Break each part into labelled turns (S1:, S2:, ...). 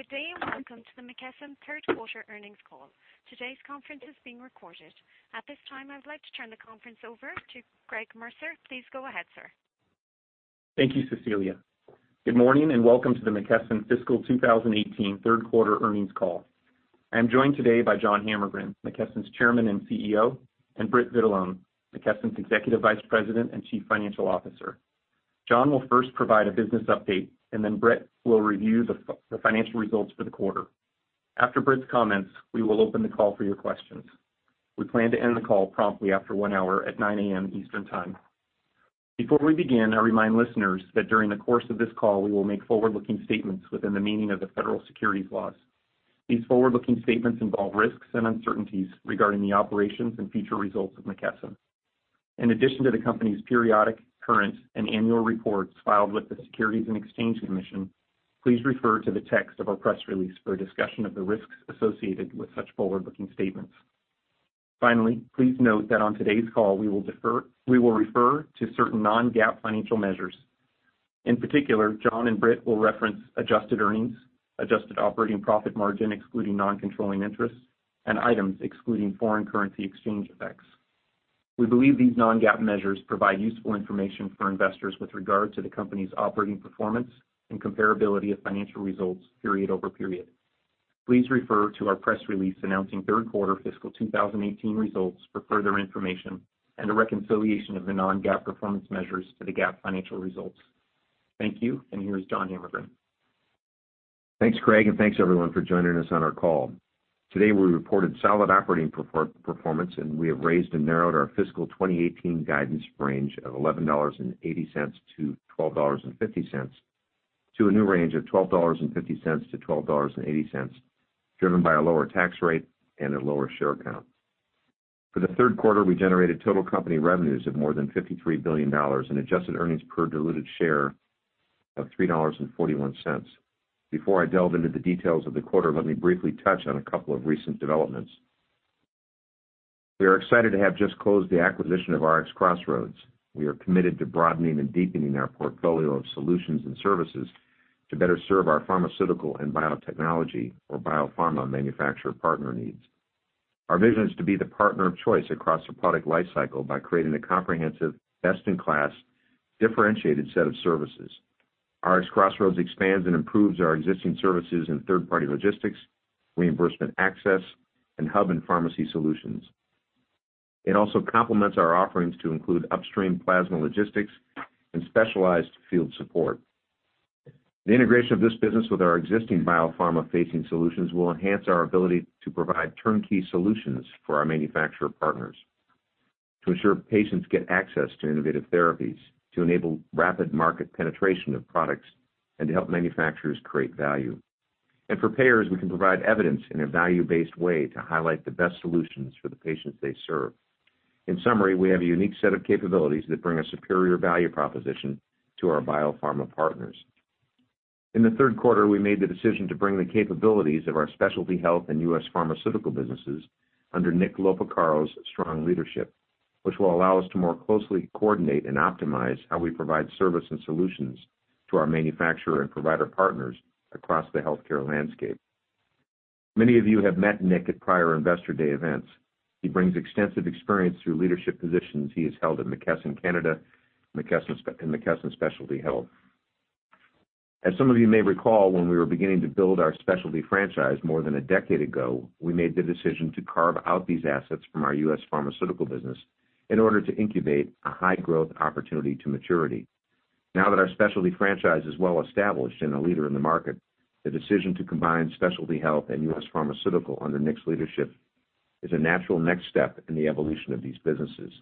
S1: Good day and welcome to the McKesson third quarter earnings call. Today's conference is being recorded. At this time, I would like to turn the conference over to Craig Mercer. Please go ahead, sir.
S2: Thank you, Cecilia. Good morning and welcome to the McKesson fiscal 2018 third quarter earnings call. I am joined today by John Hammergren, McKesson's Chairman and CEO, and Britt Vitalone, McKesson's Executive Vice President and Chief Financial Officer. John will first provide a business update, and then Britt will review the financial results for the quarter. After Britt's comments, we will open the call for your questions. We plan to end the call promptly after one hour at 9:00 A.M. Eastern Time. Before we begin, I remind listeners that during the course of this call, we will make forward-looking statements within the meaning of the federal securities laws. In addition to the company's periodic, current, and annual reports filed with the Securities and Exchange Commission, please refer to the text of our press release for a discussion of the risks associated with such forward-looking statements. Finally, please note that on today's call, we will refer to certain non-GAAP financial measures. In particular, John and Britt will reference adjusted earnings, adjusted operating profit margin excluding non-controlling interests, and items excluding foreign currency exchange effects. We believe these non-GAAP measures provide useful information for investors with regard to the company's operating performance and comparability of financial results period over period. Please refer to our press release announcing third quarter fiscal 2018 results for further information and a reconciliation of the non-GAAP performance measures to the GAAP financial results. Thank you, and here's John Hammergren.
S3: Thanks, Craig, and thanks everyone for joining us on our call. Today, we reported solid operating performance, and we have raised and narrowed our fiscal 2018 guidance range of $11.80-$12.50 to a new range of $12.50-$12.80, driven by a lower tax rate and a lower share count. For the third quarter, we generated total company revenues of more than $53 billion and adjusted earnings per diluted share of $3.41. Before I delve into the details of the quarter, let me briefly touch on a couple of recent developments. We are excited to have just closed the acquisition of RxCrossroads. We are committed to broadening and deepening our portfolio of solutions and services to better serve our pharmaceutical and biotechnology or biopharma manufacturer partner needs. Our vision is to be the partner of choice across the product life cycle by creating a comprehensive, best-in-class, differentiated set of services. RxCrossroads expands and improves our existing services in third-party logistics, reimbursement access, and hub and pharmacy solutions. It also complements our offerings to include upstream plasma logistics and specialized field support. The integration of this business with our existing biopharma-facing solutions will enhance our ability to provide turnkey solutions for our manufacturer partners to ensure patients get access to innovative therapies, to enable rapid market penetration of products, and to help manufacturers create value. For payers, we can provide evidence in a value-based way to highlight the best solutions for the patients they serve. In summary, we have a unique set of capabilities that bring a superior value proposition to our biopharma partners. In the third quarter, we made the decision to bring the capabilities of our Specialty Health and U.S. Pharmaceutical businesses under Nick Loporcaro's strong leadership, which will allow us to more closely coordinate and optimize how we provide service and solutions to our manufacturer and provider partners across the healthcare landscape. Many of you have met Nick at prior Investor Day events. He brings extensive experience through leadership positions he has held at McKesson Canada and McKesson Specialty Health. As some of you may recall, when we were beginning to build our specialty franchise more than a decade ago, we made the decision to carve out these assets from our U.S. Pharmaceutical business in order to incubate a high-growth opportunity to maturity. Now that our specialty franchise is well established and a leader in the market, the decision to combine Specialty Health and U.S. Pharmaceutical under Nick's leadership is a natural next step in the evolution of these businesses.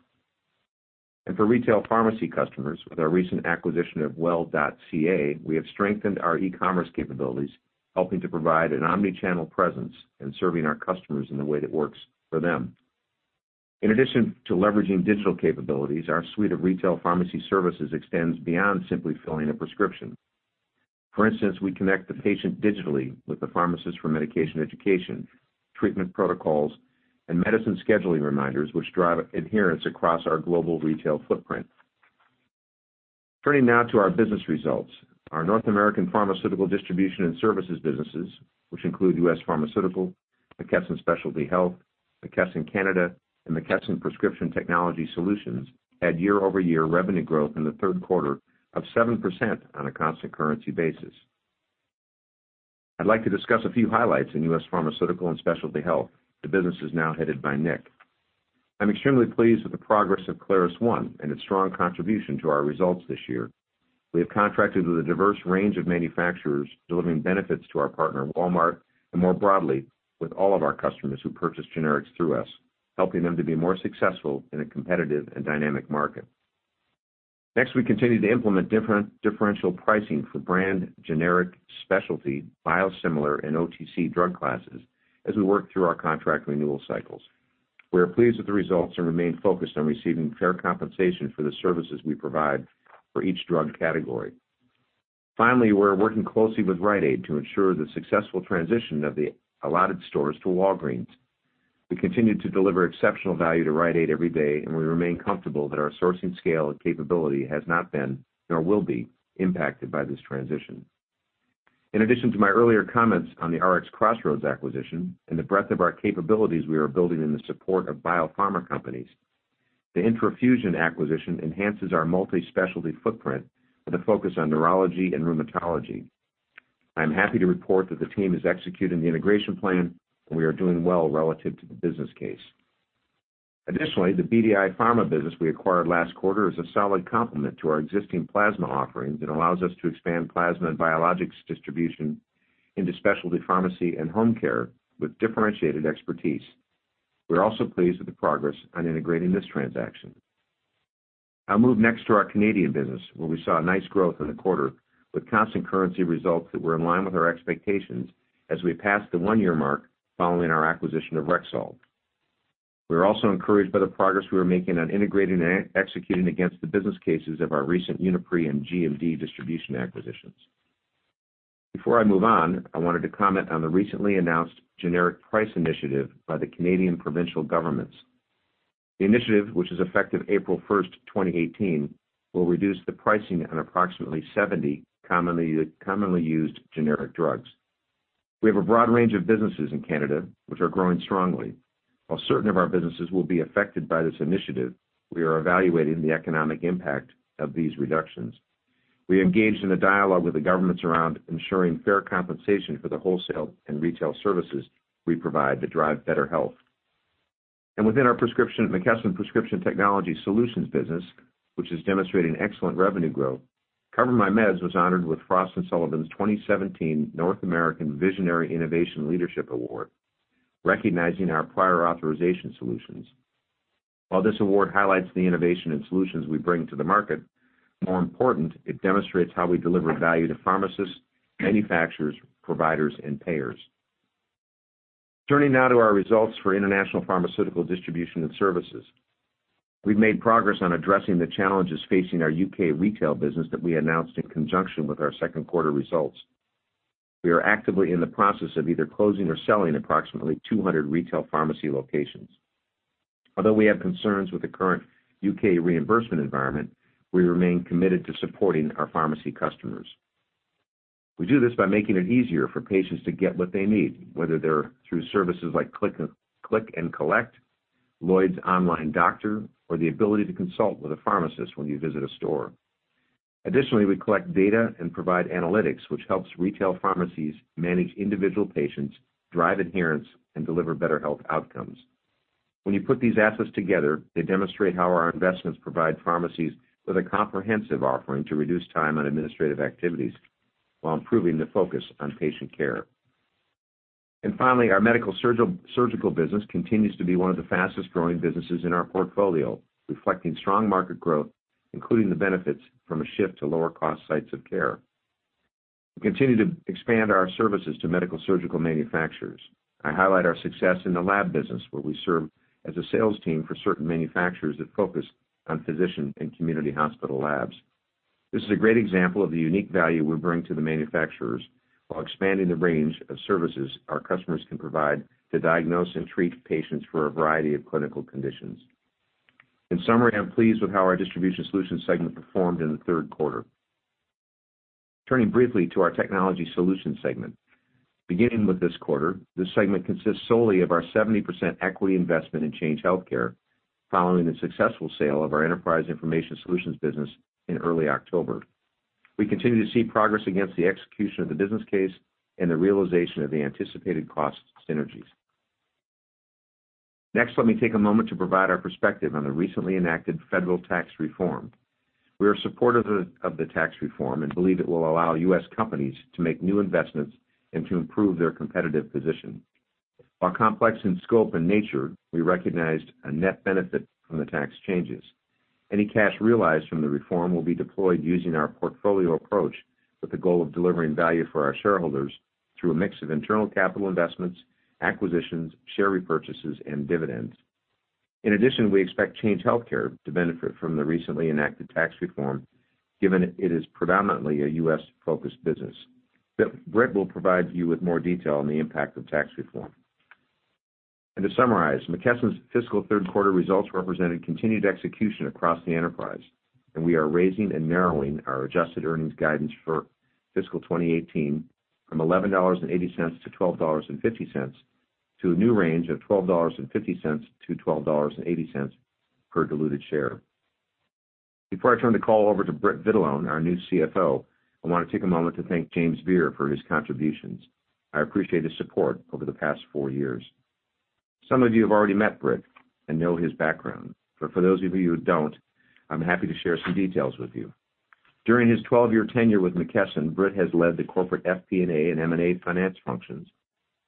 S3: For retail pharmacy customers, with our recent acquisition of Well.ca, we have strengthened our e-commerce capabilities, helping to provide an omni-channel presence and serving our customers in the way that works for them. In addition to leveraging digital capabilities, our suite of retail pharmacy services extends beyond simply filling a prescription. For instance, we connect the patient digitally with the pharmacist for medication education, treatment protocols, and medicine scheduling reminders, which drive adherence across our global retail footprint. Turning now to our business results. Our North American Pharmaceutical Distribution and Services businesses, which include U.S. Pharmaceutical, McKesson Specialty Health, McKesson Canada, and McKesson Prescription Technology Solutions, had year-over-year revenue growth in the third quarter of 7% on a constant currency basis. I'd like to discuss a few highlights in U.S. Pharmaceutical and Specialty Health, the businesses now headed by Nick. I'm extremely pleased with the progress of ClarusONE and its strong contribution to our results this year. We have contracted with a diverse range of manufacturers delivering benefits to our partner, Walmart, and more broadly with all of our customers who purchase generics through us, helping them to be more successful in a competitive and dynamic market. Next, we continue to implement differential pricing for brand, generic, specialty, biosimilar, and OTC drug classes as we work through our contract renewal cycles. We are pleased with the results and remain focused on receiving fair compensation for the services we provide for each drug category. Finally, we're working closely with Rite Aid to ensure the successful transition of the allotted stores to Walgreens. We continue to deliver exceptional value to Rite Aid every day, and we remain comfortable that our sourcing scale and capability has not been, nor will be, impacted by this transition. In addition to my earlier comments on the RxCrossroads acquisition and the breadth of our capabilities we are building in the support of biopharma companies, the IntraFusion acquisition enhances our multi-specialty footprint with a focus on neurology and rheumatology. I am happy to report that the team is executing the integration plan, and we are doing well relative to the business case. Additionally, the BDI Pharma business we acquired last quarter is a solid complement to our existing plasma offerings and allows us to expand plasma and biologics distribution into specialty pharmacy and home care with differentiated expertise. We're also pleased with the progress on integrating this transaction. I'll move next to our Canadian business, where we saw nice growth in the quarter with constant currency results that were in line with our expectations as we passed the one-year mark following our acquisition of Rexall. We are also encouraged by the progress we are making on integrating and executing against the business cases of our recent Uniprix and GMD distribution acquisitions. Before I move on, I wanted to comment on the recently announced generic price initiative by the Canadian provincial governments. The initiative, which is effective April 1st, 2018, will reduce the pricing on approximately 70 commonly used generic drugs. We have a broad range of businesses in Canada which are growing strongly. While certain of our businesses will be affected by this initiative, we are evaluating the economic impact of these reductions. We engaged in a dialogue with the governments around ensuring fair compensation for the wholesale and retail services we provide to drive better health. Within our McKesson Prescription Technology Solutions business, which is demonstrating excellent revenue growth, CoverMyMeds was honored with Frost & Sullivan's 2017 North American Visionary Leadership Award, recognizing our prior authorization solutions. While this award highlights the innovation and solutions we bring to the market, more important, it demonstrates how we deliver value to pharmacists, manufacturers, providers, and payers. Turning now to our results for International Pharmaceutical Distribution and Services. We've made progress on addressing the challenges facing our U.K. retail business that we announced in conjunction with our second quarter results. We are actively in the process of either closing or selling approximately 200 retail pharmacy locations. Although we have concerns with the current U.K. reimbursement environment, we remain committed to supporting our pharmacy customers. We do this by making it easier for patients to get what they need, whether they're through services like Click and Collect, Lloyds Online Doctor, or the ability to consult with a pharmacist when you visit a store. Additionally, we collect data and provide analytics, which helps retail pharmacies manage individual patients, drive adherence, and deliver better health outcomes. When you put these assets together, they demonstrate how our investments provide pharmacies with a comprehensive offering to reduce time on administrative activities while improving the focus on patient care. Finally, our Medical-Surgical business continues to be one of the fastest-growing businesses in our portfolio, reflecting strong market growth, including the benefits from a shift to lower-cost sites of care. We continue to expand our services to medical-surgical manufacturers. I highlight our success in the lab business, where we serve as a sales team for certain manufacturers that focus on physician and community hospital labs. This is a great example of the unique value we bring to the manufacturers while expanding the range of services our customers can provide to diagnose and treat patients for a variety of clinical conditions. In summary, I'm pleased with how our Distribution Solutions segment performed in the third quarter. Turning briefly to our Technology Solutions segment. Beginning with this quarter, this segment consists solely of our 70% equity investment in Change Healthcare following the successful sale of our Enterprise Information Solutions business in early October. We continue to see progress against the execution of the business case and the realization of the anticipated cost synergies. Let me take a moment to provide our perspective on the recently enacted federal tax reform. We are supportive of the tax reform and believe it will allow U.S. companies to make new investments and to improve their competitive position. While complex in scope and nature, we recognized a net benefit from the tax changes. Any cash realized from the reform will be deployed using our portfolio approach with the goal of delivering value for our shareholders through a mix of internal capital investments, acquisitions, share repurchases, and dividends. In addition, we expect Change Healthcare to benefit from the recently enacted tax reform, given it is predominantly a U.S.-focused business. Britt will provide you with more detail on the impact of tax reform. To summarize, McKesson's fiscal third quarter results represented continued execution across the enterprise, and we are raising and narrowing our adjusted earnings guidance for fiscal 2018 from $11.80-$12.50 to a new range of $12.50-$12.80 per diluted share. Before I turn the call over to Britt Vitalone, our new CFO, I want to take a moment to thank James Beer for his contributions. I appreciate his support over the past four years. Some of you have already met Britt and know his background, but for those of you who don't, I'm happy to share some details with you. During his 12-year tenure with McKesson, Britt has led the corporate FP&A and M&A finance functions,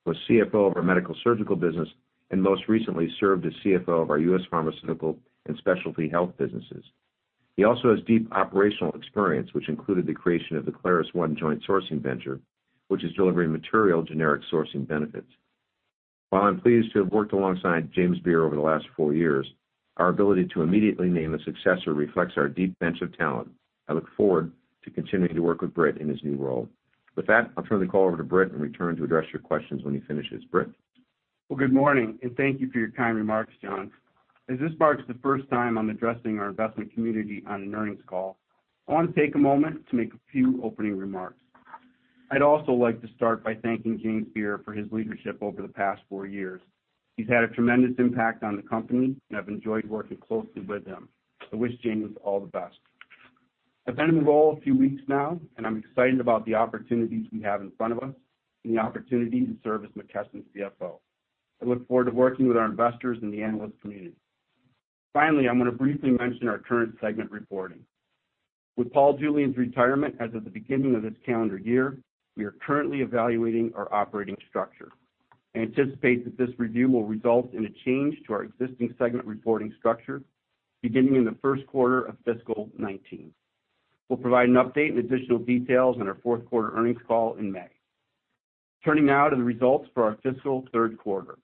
S3: was CFO of our Medical-Surgical business, and most recently served as CFO of our U.S. Pharmaceutical and Specialty Health businesses. He also has deep operational experience, which included the creation of the ClarusONE joint sourcing venture, which is delivering material generic sourcing benefits. While I'm pleased to have worked alongside James Beer over the last four years, our ability to immediately name a successor reflects our deep bench of talent. I look forward to continuing to work with Britt in his new role. I'll turn the call over to Britt and return to address your questions when he finishes. Britt?
S4: Good morning, and thank you for your kind remarks, John. As this marks the first time I am addressing our investment community on an earnings call, I want to take a moment to make a few opening remarks. I would also like to start by thanking James Beer for his leadership over the past four years. He has had a tremendous impact on the company, and I have enjoyed working closely with him. I wish James all the best. I have been in the role a few weeks now, and I am excited about the opportunities we have in front of us and the opportunity to serve as McKesson's CFO. I look forward to working with our investors and the analyst community. I am going to briefly mention our current segment reporting. With Paul Julian's retirement as of the beginning of this calendar year, we are currently evaluating our operating structure. I anticipate that this review will result in a change to our existing segment reporting structure beginning in the first quarter of fiscal 2019. We will provide an update and additional details on our fourth-quarter earnings call in May. Turning now to the results for our fiscal third quarter.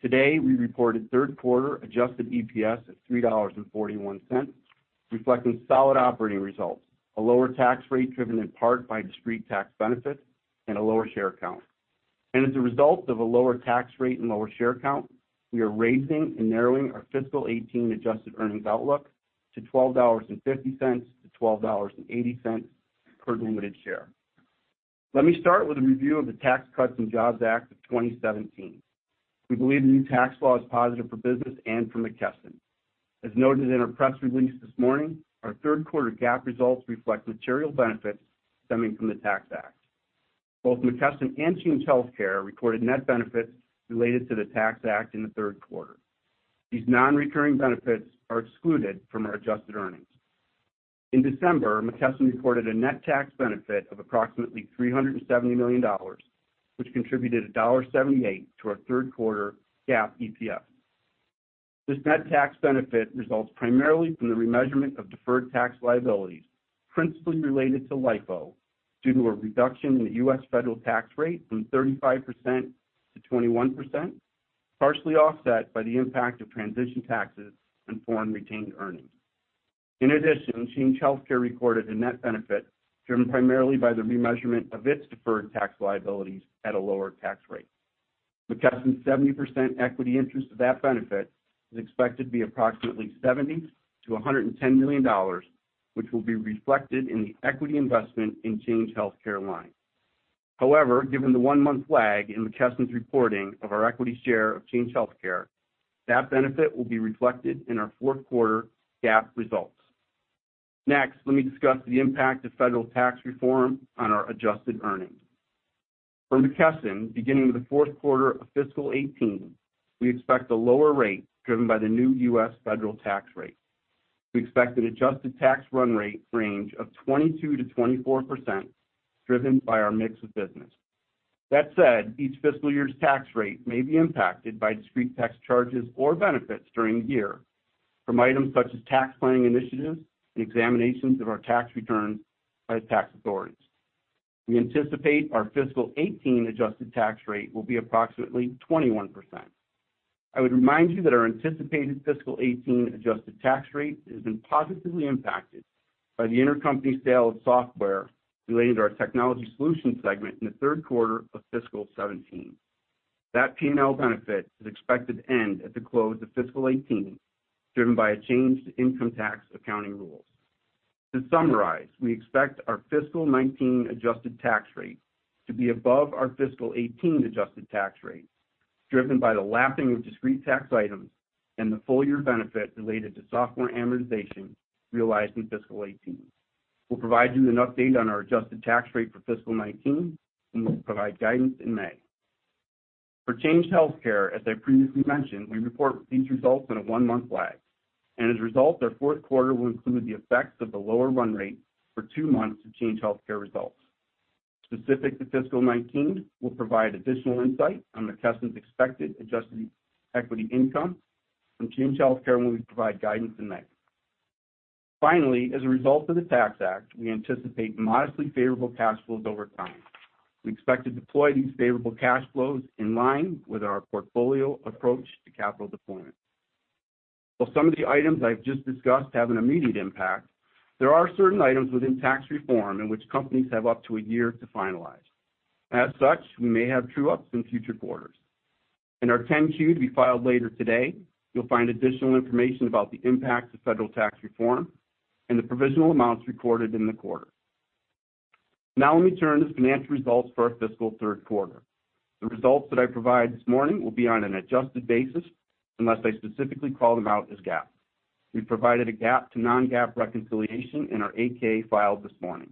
S4: Today, we reported third-quarter adjusted EPS of $3.41, reflecting solid operating results, a lower tax rate driven in part by discrete tax benefits, and a lower share count. As a result of a lower tax rate and lower share count, we are raising and narrowing our fiscal 2018 adjusted earnings outlook to $12.50-$12.80 per diluted share. Let me start with a review of the Tax Cuts and Jobs Act of 2017. We believe the new tax law is positive for business and for McKesson. As noted in our press release this morning, our third quarter GAAP results reflect material benefits stemming from the Tax Act. Both McKesson and Change Healthcare recorded net benefits related to the Tax Act in the third quarter. These non-recurring benefits are excluded from our adjusted earnings. In December, McKesson reported a net tax benefit of approximately $370 million, which contributed $1.78 to our third quarter GAAP EPS. This net tax benefit results primarily from the remeasurement of deferred tax liabilities, principally related to LIFO, due to a reduction in the U.S. federal tax rate from 35%-21%, partially offset by the impact of transition taxes on foreign retained earnings. In addition, Change Healthcare recorded a net benefit driven primarily by the remeasurement of its deferred tax liabilities at a lower tax rate. McKesson's 70% equity interest of that benefit is expected to be approximately $70 million-$110 million, which will be reflected in the equity investment in Change Healthcare line. However, given the one-month lag in McKesson's reporting of our equity share of Change Healthcare, that benefit will be reflected in our fourth quarter GAAP results. Let me discuss the impact of federal tax reform on our adjusted earnings. For McKesson, beginning with the fourth quarter of fiscal 2018, we expect a lower rate driven by the new U.S. federal tax rate. We expect an adjusted tax run rate range of 22%-24%, driven by our mix of business. That said, each fiscal year's tax rate may be impacted by discrete tax charges or benefits during the year from items such as tax planning initiatives and examinations of our tax returns by tax authorities. We anticipate our fiscal 2018 adjusted tax rate will be approximately 21%. I would remind you that our anticipated fiscal 2018 adjusted tax rate has been positively impacted by the intercompany sale of software related to our Technology Solutions segment in the third quarter of fiscal 2017. That P&L benefit is expected to end at the close of fiscal 2018, driven by a change to income tax accounting rules. To summarize, we expect our fiscal 2019 adjusted tax rate to be above our fiscal 2018 adjusted tax rate, driven by the lapping of discrete tax items and the full-year benefit related to software amortization realized in fiscal 2018. We'll provide you an update on our adjusted tax rate for fiscal 2019, and we'll provide guidance in May. For Change Healthcare, as I previously mentioned, we report these results on a one-month lag. As a result, our fourth quarter will include the effects of the lower run rate for two months of Change Healthcare results. Specific to fiscal 2019, we'll provide additional insight on McKesson's expected adjusted equity income from Change Healthcare when we provide guidance in May. Finally, as a result of the Tax Act, we anticipate modestly favorable cash flows over time. We expect to deploy these favorable cash flows in line with our portfolio approach to capital deployment. While some of the items I've just discussed have an immediate impact, there are certain items within tax reform in which companies have up to a year to finalize. As such, we may have true-ups in future quarters. In our 10-Q to be filed later today, you'll find additional information about the impact of federal tax reform and the provisional amounts recorded in the quarter. Now let me turn to the financial results for our fiscal third quarter. The results that I provide this morning will be on an adjusted basis unless I specifically call them out as GAAP. We provided a GAAP to non-GAAP reconciliation in our 8-K filed this morning.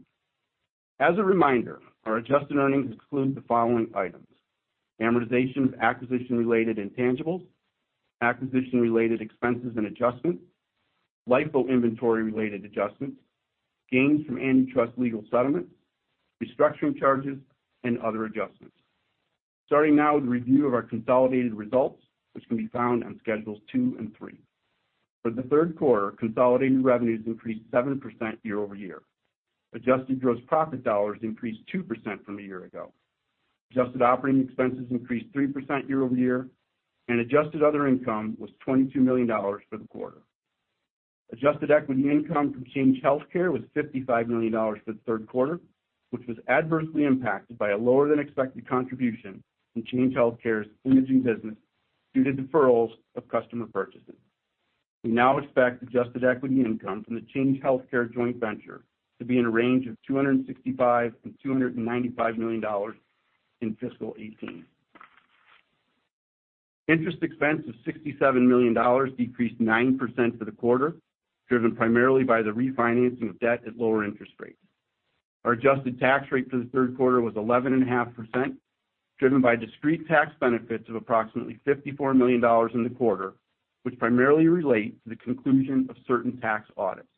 S4: As a reminder, our adjusted earnings exclude the following items: amortization of acquisition-related intangibles, acquisition-related expenses and adjustments, LIFO inventory related adjustments, gains from antitrust legal settlements, restructuring charges, and other adjustments. Starting now with a review of our consolidated results, which can be found on schedules two and three. For the third quarter, consolidated revenues increased 7% year-over-year. Adjusted gross profit dollars increased 2% from a year ago. Adjusted operating expenses increased 3% year-over-year, and adjusted other income was $22 million for the quarter. Adjusted equity income from Change Healthcare was $55 million for the third quarter, which was adversely impacted by a lower-than-expected contribution from Change Healthcare's imaging business due to deferrals of customer purchases. We now expect adjusted equity income from the Change Healthcare joint venture to be in a range of $265 million-$295 million in fiscal 2018. Interest expense of $67 million decreased 9% for the quarter, driven primarily by the refinancing of debt at lower interest rates. Our adjusted tax rate for the third quarter was 11.5%, driven by discrete tax benefits of approximately $54 million in the quarter, which primarily relate to the conclusion of certain tax audits.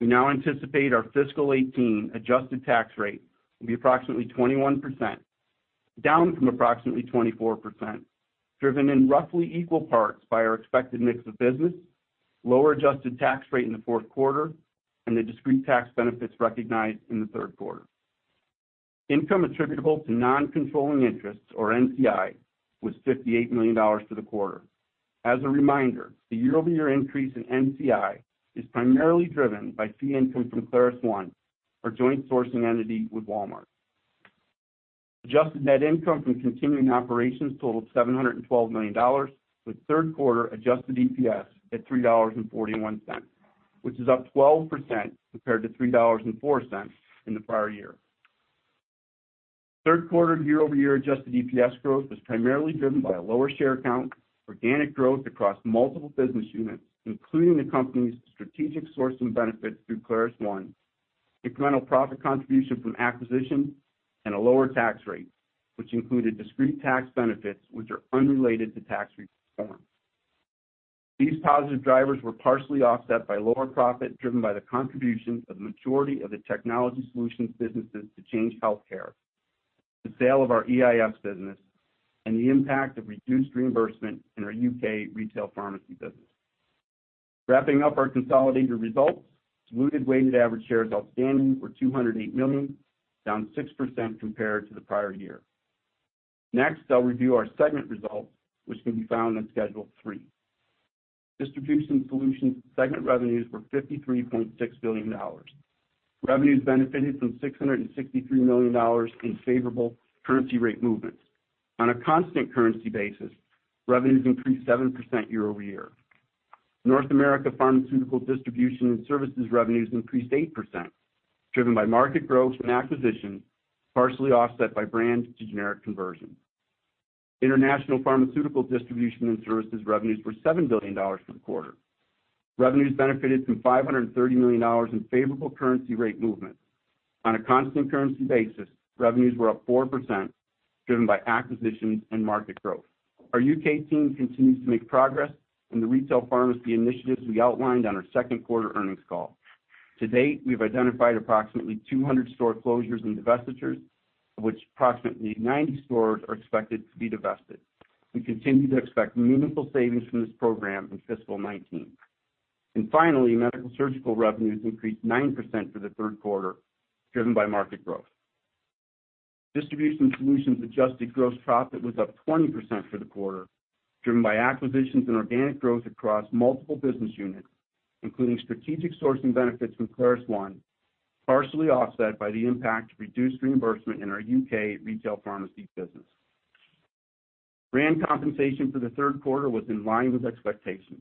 S4: We now anticipate our fiscal 2018 adjusted tax rate will be approximately 21%, down from approximately 24%, driven in roughly equal parts by our expected mix of business, lower adjusted tax rate in the fourth quarter, and the discrete tax benefits recognized in the third quarter. Income attributable to non-controlling interests, or NCI, was $58 million for the quarter. As a reminder, the year-over-year increase in NCI is primarily driven by fee income from ClarusONE, our joint sourcing entity with Walmart. Adjusted net income from continuing operations totaled $712 million, with third-quarter adjusted EPS at $3.41, which is up 12% compared to $3.04 in the prior year. Third quarter year-over-year adjusted EPS growth was primarily driven by a lower share count, organic growth across multiple business units, including the company's strategic sourcing benefits through ClarusONE, incremental profit contribution from acquisitions, and a lower tax rate, which included discrete tax benefits which are unrelated to tax reform. These positive drivers were partially offset by lower profit driven by the contributions of the majority of the Technology Solutions businesses to Change Healthcare, the sale of our EIS business, and the impact of reduced reimbursement in our U.K. retail pharmacy business. Wrapping up our consolidated results, diluted weighted average shares outstanding were 208 million, down 6% compared to the prior year. Next, I'll review our segment results, which can be found on Schedule 3. Distribution Solutions segment revenues were $53.6 billion. Revenues benefited from $663 million in favorable currency rate movements. On a constant currency basis, revenues increased 7% year-over-year. North America pharmaceutical distribution and services revenues increased 8%, driven by market growth and acquisitions, partially offset by brand to generic conversion. International pharmaceutical distribution and services revenues were $7 billion for the quarter. Revenues benefited from $530 million in favorable currency rate movement. On a constant currency basis, revenues were up 4%, driven by acquisitions and market growth. Our U.K. team continues to make progress in the retail pharmacy initiatives we outlined on our second quarter earnings call. To date, we've identified approximately 200 store closures and divestitures, of which approximately 90 stores are expected to be divested. We continue to expect meaningful savings from this program in fiscal 2019. Finally, Medical-Surgical revenues increased 9% for the third quarter, driven by market growth. Distribution Solutions adjusted gross profit was up 20% for the quarter, driven by acquisitions and organic growth across multiple business units, including strategic sourcing benefits from ClarusONE, partially offset by the impact of reduced reimbursement in our U.K. retail pharmacy business. Brand compensation for the third quarter was in line with expectations.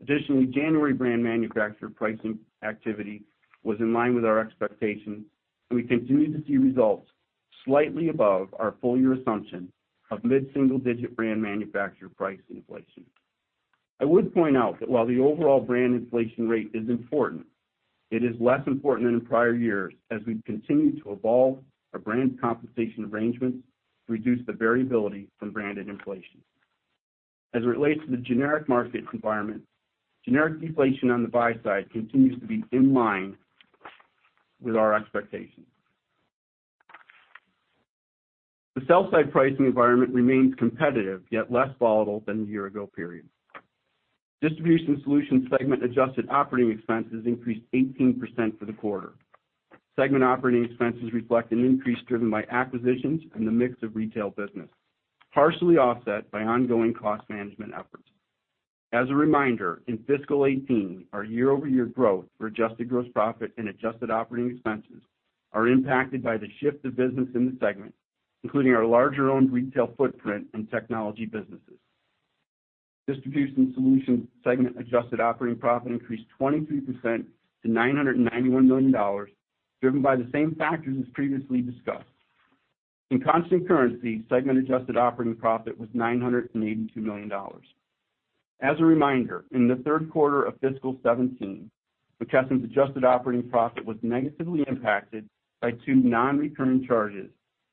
S4: Additionally, January brand manufacturer pricing activity was in line with our expectations, and we continue to see results slightly above our full-year assumption of mid-single-digit brand manufacturer price inflation. I would point out that while the overall brand inflation rate is important, it is less important than in prior years as we continue to evolve our brand compensation arrangements to reduce the variability from branded inflation. As it relates to the generic market environment, generic deflation on the buy side continues to be in line with our expectations. The sell side pricing environment remains competitive, yet less volatile than the year ago period. Distribution Solutions segment adjusted operating expenses increased 18% for the quarter. Segment operating expenses reflect an increase driven by acquisitions and the mix of retail business, partially offset by ongoing cost management efforts. As a reminder, in fiscal 2018, our year-over-year growth for adjusted gross profit and adjusted operating expenses are impacted by the shift of business in the segment, including our larger owned retail footprint and technology businesses. Distribution Solutions segment adjusted operating profit increased 23% to $991 million, driven by the same factors as previously discussed. In constant currency, segment adjusted operating profit was $982 million. As a reminder, in the third quarter of fiscal 2017, McKesson's adjusted operating profit was negatively impacted by 2 non-recurring charges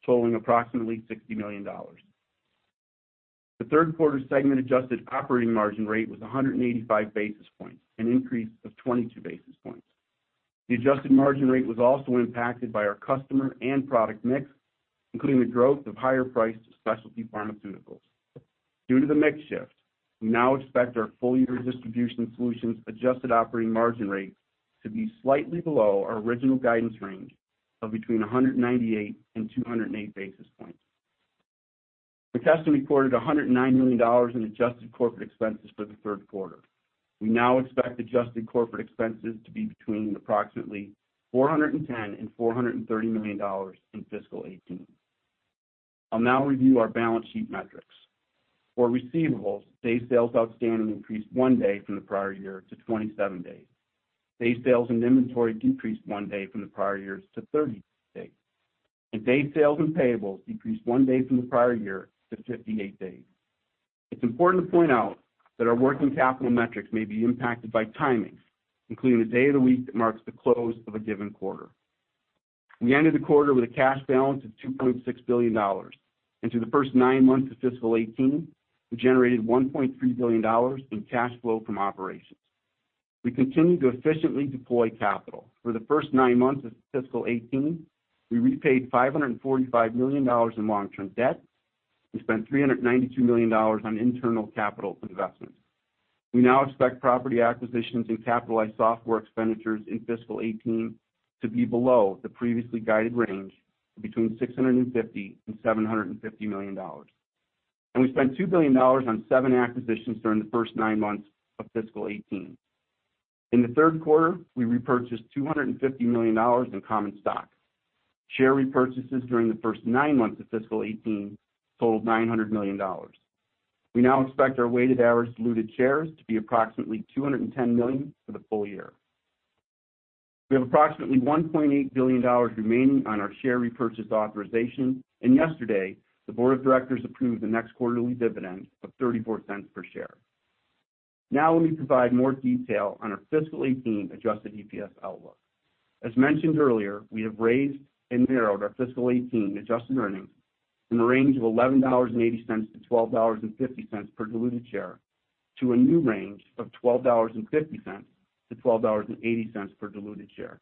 S4: totaling approximately $60 million. The third quarter segment adjusted operating margin rate was 185 basis points, an increase of 22 basis points. The adjusted margin rate was also impacted by our customer and product mix, including the growth of higher-priced specialty pharmaceuticals. Due to the mix shift, we now expect our full-year Distribution Solutions adjusted operating margin rate to be slightly below our original guidance range of between 198-208 basis points. McKesson reported $109 million in adjusted corporate expenses for the third quarter. We now expect adjusted corporate expenses to be between approximately $410 million-$430 million in fiscal 2018. I'll now review our balance sheet metrics. For receivables, day sales outstanding increased 1 day from the prior year to 27 days. Day sales and inventory decreased 1 day from the prior years to 30 days. Day sales and payables decreased 1 day from the prior year to 58 days. It's important to point out that our working capital metrics may be impacted by timing, including the day of the week that marks the close of a given quarter. We ended the quarter with a cash balance of $2.6 billion, and through the first nine months of fiscal 2018, we generated $1.3 billion in cash flow from operations. We continue to efficiently deploy capital. For the first nine months of fiscal 2018, we repaid $545 million in long-term debt. We spent $392 million on internal capital investments. We now expect property acquisitions and capitalized software expenditures in fiscal 2018 to be below the previously guided range of between $650 million-$750 million. We spent $2 billion on 7 acquisitions during the first nine months of fiscal 2018. In the third quarter, we repurchased $250 million in common stock. Share repurchases during the first nine months of fiscal 2018 totaled $900 million. We now expect our weighted average diluted shares to be approximately 210 million for the full year. We have approximately $1.8 billion remaining on our share repurchase authorization. Yesterday the board of directors approved the next quarterly dividend of $0.34 per share. Now let me provide more detail on our fiscal 2018 adjusted EPS outlook. As mentioned earlier, we have raised and narrowed our fiscal 2018 adjusted earnings from a range of $11.80-$12.50 per diluted share to a new range of $12.50-$12.80 per diluted share.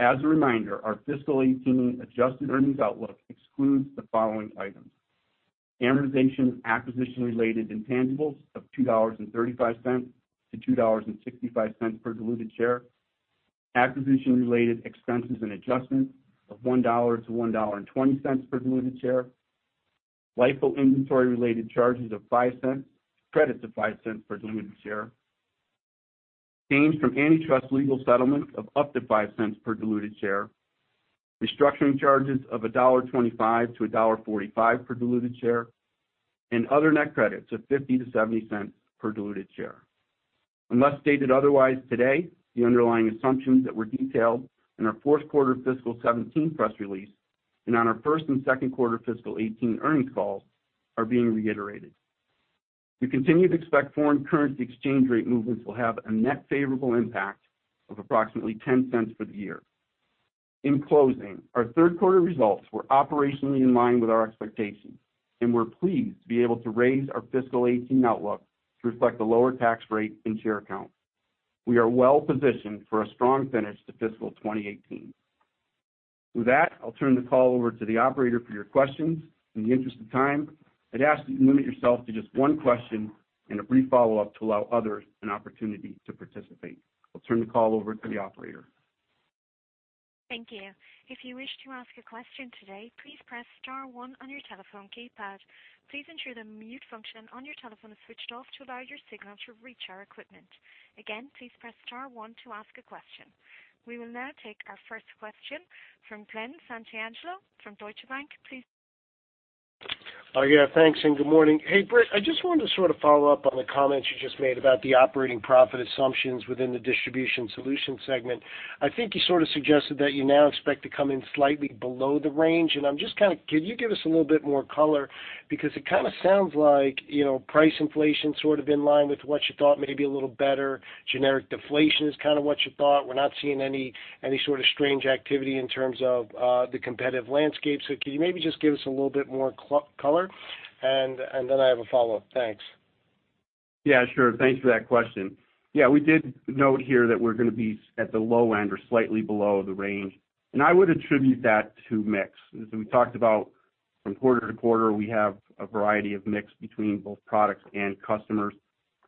S4: As a reminder, our fiscal 2018 adjusted earnings outlook excludes the following items: amortization acquisition-related intangibles of $2.35-$2.65 per diluted share, acquisition-related expenses and adjustments of $1.00-$1.20 per diluted share, LIFO inventory related credits of $0.05 per diluted share, gains from antitrust legal settlements of up to $0.05 per diluted share, restructuring charges of $1.25-$1.45 per diluted share, and other net credits of $0.50-$0.70 per diluted share. Unless stated otherwise today, the underlying assumptions that were detailed in our fourth quarter fiscal 2017 press release and on our first and second quarter fiscal 2018 earnings calls are being reiterated. We continue to expect foreign currency exchange rate movements will have a net favorable impact of approximately $0.10 for the year. In closing, our third quarter results were operationally in line with our expectations, and we're pleased to be able to raise our fiscal 2018 outlook to reflect the lower tax rate and share count. We are well-positioned for a strong finish to fiscal 2018. With that, I'll turn the call over to the operator for your questions. In the interest of time, I'd ask that you limit yourself to just one question and a brief follow-up to allow others an opportunity to participate. I'll turn the call over to the operator.
S1: Thank you. If you wish to ask a question today, please press star one on your telephone keypad. Please ensure the mute function on your telephone is switched off to allow your signal to reach our equipment. Again, please press star one to ask a question. We will now take our first question from Glen Santangelo from Deutsche Bank. Please-
S5: Thanks, and good morning. Hey, Britt, I just wanted to sort of follow up on the comments you just made about the operating profit assumptions within the Distribution Solutions segment. I think you sort of suggested that you now expect to come in slightly below the range. Can you give us a little bit more color? It kind of sounds like price inflation's sort of in line with what you thought, maybe a little better. Generic deflation is kind of what you thought. We're not seeing any sort of strange activity in terms of the competitive landscape. Could you maybe just give us a little bit more color, and then I have a follow-up. Thanks.
S4: Yeah, sure. Thanks for that question. Yeah, we did note here that we're going to be at the low end or slightly below the range. I would attribute that to mix. As we talked about from quarter to quarter, we have a variety of mix between both products and customers,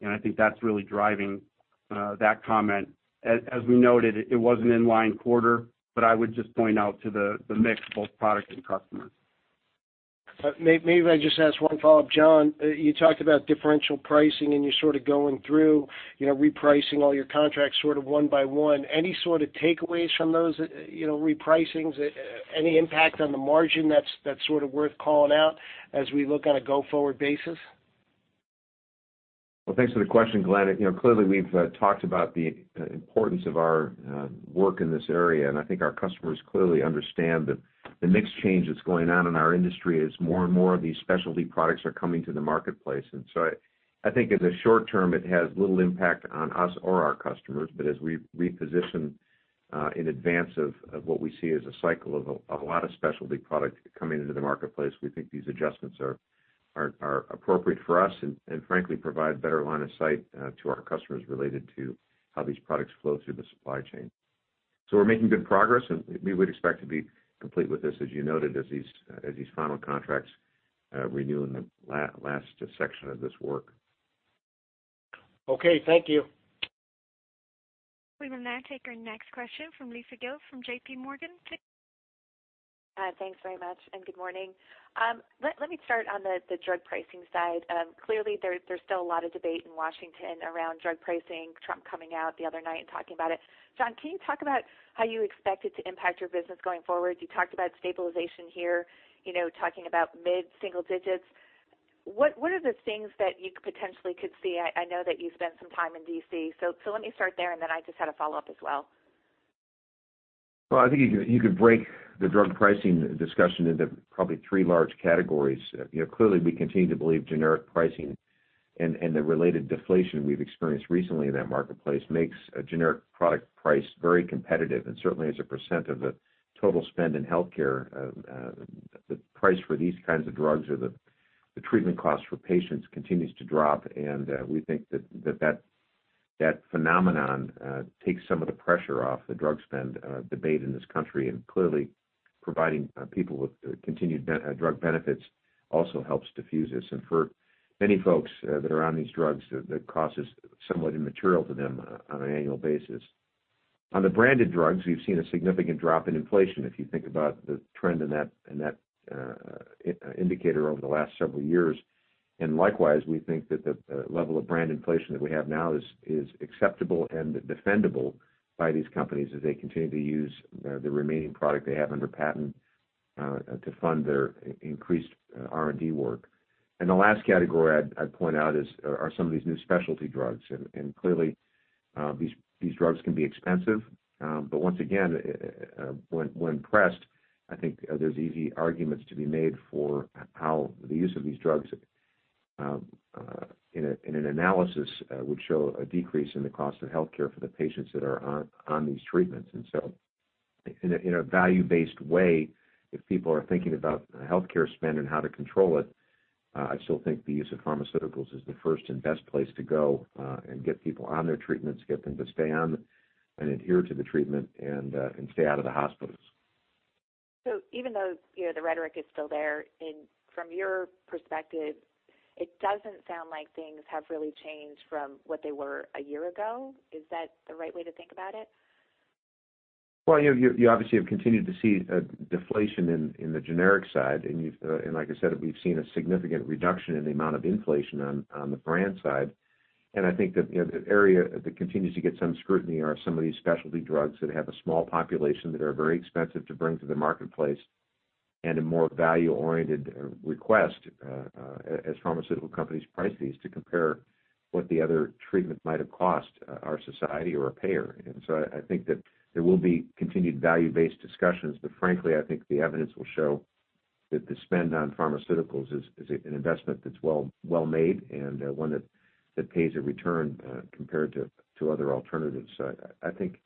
S4: I think that's really driving that comment. As we noted, it was an in-line quarter, I would just point out to the mix, both product and customer.
S5: Maybe if I just ask one follow-up. John, you talked about differential pricing, you're sort of going through repricing all your contracts sort of one by one. Any sort of takeaways from those repricings? Any impact on the margin that's sort of worth calling out as we look on a go-forward basis?
S3: Well, thanks for the question, Glen. Clearly, we've talked about the importance of our work in this area, I think our customers clearly understand the mix change that's going on in our industry as more and more of these specialty products are coming to the marketplace. I think in the short term, it has little impact on us or our customers. As we reposition in advance of what we see as a cycle of a lot of specialty product coming into the marketplace, we think these adjustments are appropriate for us frankly provide better line of sight to our customers related to how these products flow through the supply chain. We're making good progress, we would expect to be complete with this, as you noted, as these final contracts renew in the last section of this work.
S5: Okay, thank you.
S1: We will now take our next question from Lisa Gill from JP Morgan.
S6: Thanks very much, and good morning. Let me start on the drug pricing side. Clearly, there's still a lot of debate in Washington around drug pricing, Trump coming out the other night and talking about it. John, can you talk about how you expect it to impact your business going forward? You talked about stabilization here, talking about mid-single digits. What are the things that you potentially could see? I know that you've spent some time in D.C., so let me start there, and then I just had a follow-up as well.
S3: Well, I think you could break the drug pricing discussion into probably three large categories. Clearly, we continue to believe generic pricing and the related deflation we've experienced recently in that marketplace makes a generic product price very competitive. Certainly, as a % of the total spend in healthcare, the price for these kinds of drugs or the treatment cost for patients continues to drop, and we think that phenomenon takes some of the pressure off the drug spend debate in this country, and clearly providing people with continued drug benefits also helps diffuse this. For many folks that are on these drugs, the cost is somewhat immaterial to them on an annual basis. On the branded drugs, we've seen a significant drop in inflation, if you think about the trend in that indicator over the last several years. Likewise, we think that the level of brand inflation that we have now is acceptable and defendable by these companies as they continue to use the remaining product they have under patent, to fund their increased R&D work. The last category I'd point out are some of these new specialty drugs. Clearly, these drugs can be expensive. Once again, when pressed, I think there's easy arguments to be made for how the use of these drugs, in an analysis, would show a decrease in the cost of healthcare for the patients that are on these treatments. In a value-based way, if people are thinking about healthcare spend and how to control it, I still think the use of pharmaceuticals is the first and best place to go, and get people on their treatments, get them to stay on and adhere to the treatment and stay out of the hospitals.
S6: Even though the rhetoric is still there, from your perspective, it doesn't sound like things have really changed from what they were a year ago. Is that the right way to think about it?
S3: Well, you obviously have continued to see deflation in the generic side. Like I said, we've seen a significant reduction in the amount of inflation on the brand side. I think that the area that continues to get some scrutiny are some of these specialty drugs that have a small population that are very expensive to bring to the marketplace, and a more value-oriented request, as pharmaceutical companies price these to compare what the other treatment might have cost our society or a payer. I think that there will be continued value-based discussions, but frankly, I think the evidence will show that the spend on pharmaceuticals is an investment that's well-made and one that pays a return compared to other alternatives. I think,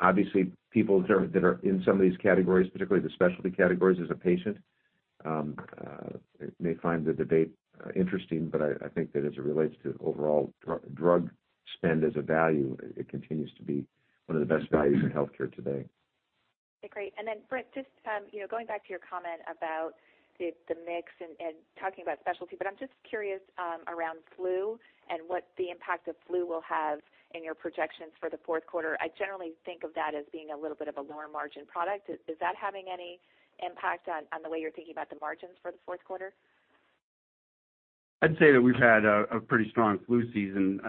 S3: obviously, people that are in some of these categories, particularly the specialty categories as a patient, may find the debate interesting. I think that as it relates to overall drug spend as a value, it continues to be one of the best values in healthcare today.
S6: Okay, great. Britt, just going back to your comment about the mix and talking about specialty, but I'm just curious around flu and what the impact of flu will have in your projections for the fourth quarter. I generally think of that as being a little bit of a lower margin product. Is that having any impact on the way you're thinking about the margins for the fourth quarter?
S4: I'd say that we've had a pretty strong flu season.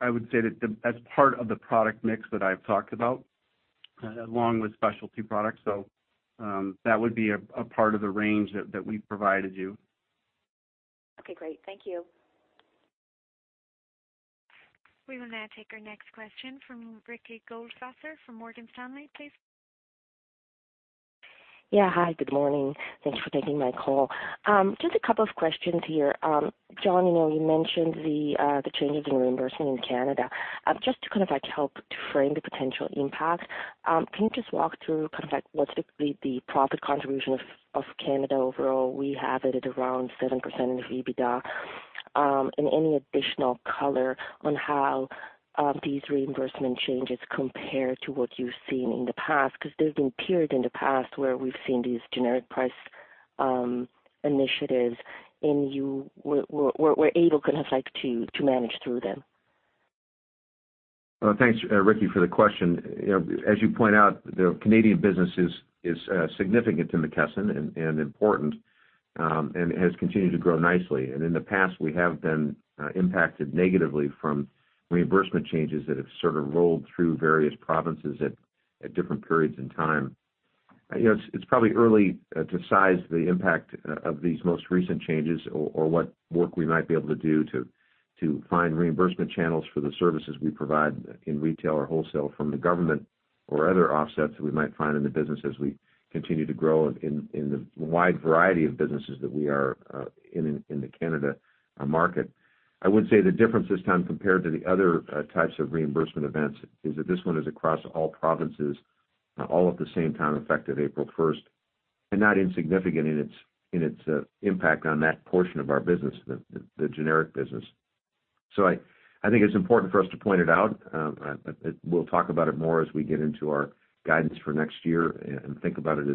S4: I would say that's part of the product mix that I've talked about, along with specialty products. That would be a part of the range that we've provided you.
S6: Okay, great. Thank you.
S1: We will now take our next question from Ricky Goldwasser from Morgan Stanley, please.
S7: Yeah. Hi, good morning. Thanks for taking my call. Just a couple of questions here. John, you mentioned the changes in reimbursement in Canada. Just to help to frame the potential impact, can you just walk through what's the profit contribution of Canada overall? We have it at around 7% in EBITDA. Any additional color on how these reimbursement changes compare to what you've seen in the past. There's been periods in the past where we've seen these generic price initiatives, and you were able to manage through them.
S3: Thanks, Ricky, for the question. As you point out, the Canadian business is significant to McKesson and important, and has continued to grow nicely. In the past, we have been impacted negatively from reimbursement changes that have sort of rolled through various provinces at different periods in time. It's probably early to size the impact of these most recent changes or what work we might be able to do to find reimbursement channels for the services we provide in retail or wholesale from the government or other offsets that we might find in the business as we continue to grow in the wide variety of businesses that we are in the Canada market. I would say the difference this time, compared to the other types of reimbursement events, is that this one is across all provinces, all at the same time, effective April 1st, not insignificant in its impact on that portion of our business, the generic business. I think it's important for us to point it out. We'll talk about it more as we get into our guidance for next year and think about it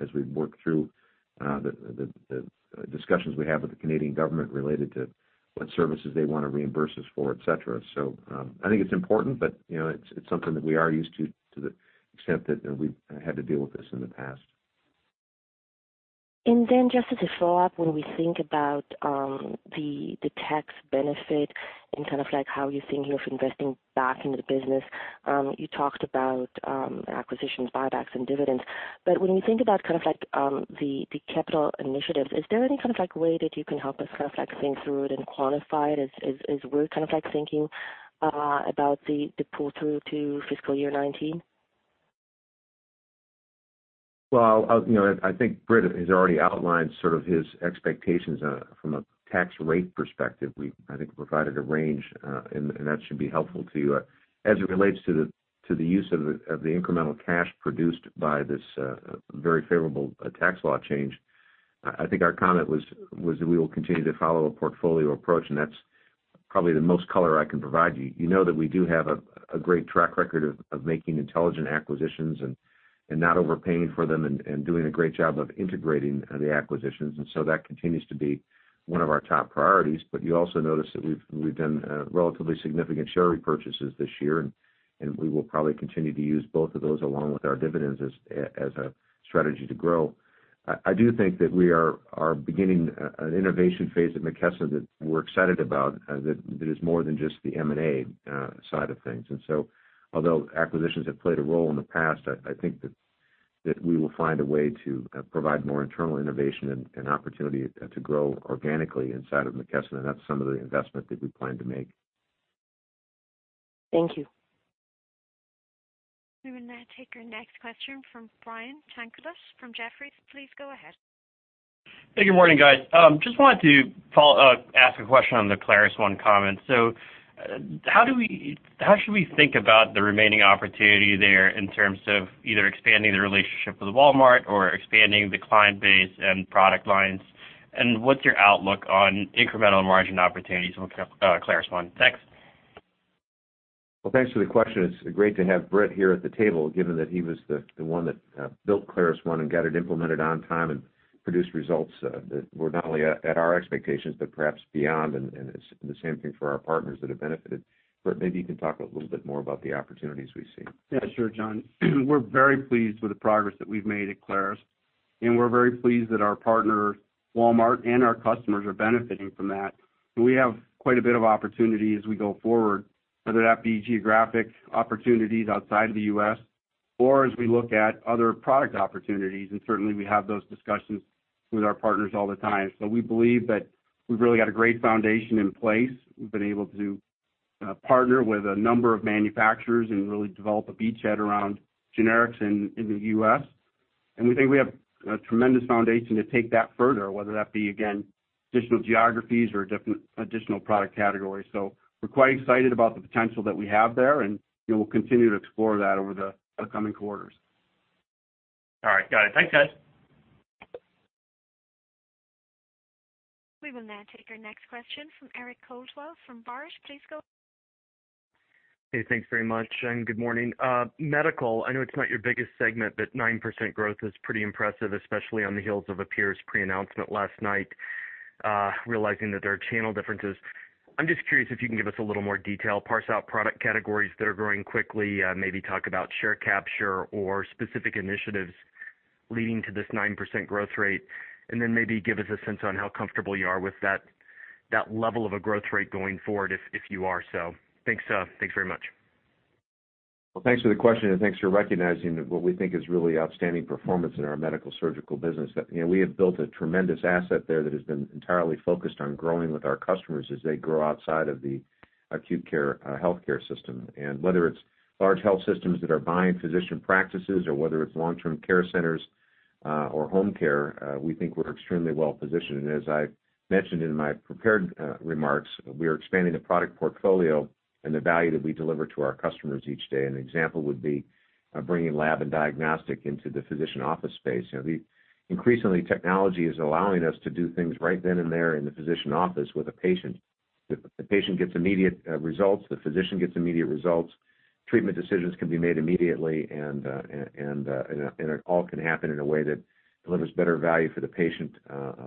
S3: as we work through the discussions we have with the Canadian government related to what services they want to reimburse us for, et cetera. I think it's important, but it's something that we are used to the extent that we've had to deal with this in the past.
S7: Just as a follow-up, when we think about the tax benefit and how you're thinking of investing back into the business, you talked about acquisitions, buybacks, and dividends. When we think about the capital initiatives, is there any way that you can help us think through it and quantify it as we're thinking about the pull-through to fiscal year 2019?
S3: Well, I think Britt has already outlined his expectations from a tax rate perspective. We, I think, provided a range. That should be helpful to you. As it relates to the use of the incremental cash produced by this very favorable tax law change, I think our comment was that we will continue to follow a portfolio approach. That's probably the most color I can provide you. You know that we do have a great track record of making intelligent acquisitions and not overpaying for them and doing a great job of integrating the acquisitions. That continues to be one of our top priorities. You also notice that we've done relatively significant share repurchases this year. We will probably continue to use both of those along with our dividends as a strategy to grow. I do think that we are beginning an innovation phase at McKesson that we're excited about, that is more than just the M&A side of things. Although acquisitions have played a role in the past, I think that we will find a way to provide more internal innovation and opportunity to grow organically inside of McKesson. That's some of the investment that we plan to make.
S7: Thank you.
S1: We will now take our next question from Brian Sankus from Jefferies. Please go ahead.
S8: Good morning, guys. Just wanted to ask a question on the ClarusONE comment. How should we think about the remaining opportunity there in terms of either expanding the relationship with Walmart or expanding the client base and product lines? What's your outlook on incremental margin opportunities on ClarusONE? Thanks.
S3: Well, thanks for the question. It's great to have Britt here at the table, given that he was the one that built ClarusONE and got it implemented on time and produced results that were not only at our expectations, but perhaps beyond, and the same thing for our partners that have benefited. Britt, maybe you can talk a little bit more about the opportunities we see.
S4: Yeah, sure, John. We're very pleased with the progress that we've made at Clarus, and we're very pleased that our partner, Walmart, and our customers are benefiting from that. We have quite a bit of opportunity as we go forward, whether that be geographic opportunities outside of the U.S. or as we look at other product opportunities, and certainly, we have those discussions with our partners all the time. We believe that we've really got a great foundation in place. We've been able to partner with a number of manufacturers and really develop a beachhead around generics in the U.S. We think we have a tremendous foundation to take that further, whether that be, again, additional geographies or additional product categories. We're quite excited about the potential that we have there, and we'll continue to explore that over the coming quarters.
S8: All right, got it. Thanks, guys.
S1: We will now take our next question from Eric Coldwell from Baird. Please go ahead.
S9: Hey, thanks very much, and good morning. Medical-Surgical, I know it's not your biggest segment, but 9% growth is pretty impressive, especially on the heels of a peer's pre-announcement last night, realizing that there are channel differences. I'm just curious if you can give us a little more detail, parse out product categories that are growing quickly, maybe talk about share capture or specific initiatives leading to this 9% growth rate, then maybe give us a sense on how comfortable you are with that level of a growth rate going forward if you are so. Thanks very much.
S3: Thanks for the question, and thanks for recognizing what we think is really outstanding performance in our Medical-Surgical business. We have built a tremendous asset there that has been entirely focused on growing with our customers as they grow outside of the acute care healthcare system. Whether it's large health systems that are buying physician practices or whether it's long-term care centers or home care, we think we're extremely well-positioned. As I mentioned in my prepared remarks, we are expanding the product portfolio and the value that we deliver to our customers each day. An example would be bringing lab and diagnostic into the physician office space. Increasingly, technology is allowing us to do things right then and there in the physician office with a patient. The patient gets immediate results, the physician gets immediate results, treatment decisions can be made immediately, and it all can happen in a way that delivers better value for the patient,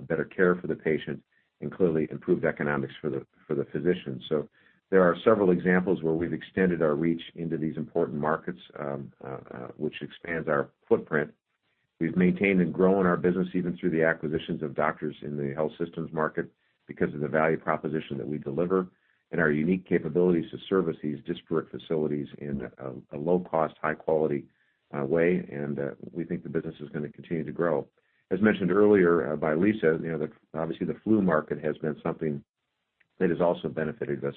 S3: better care for the patient, and clearly improved economics for the physician. There are several examples where we've extended our reach into these important markets, which expands our footprint. We've maintained and grown our business even through the acquisitions of doctors in the health systems market because of the value proposition that we deliver and our unique capabilities to service these disparate facilities in a low-cost, high-quality way, and we think the business is going to continue to grow. As mentioned earlier by Lisa, obviously the flu market has been something that has also benefited us,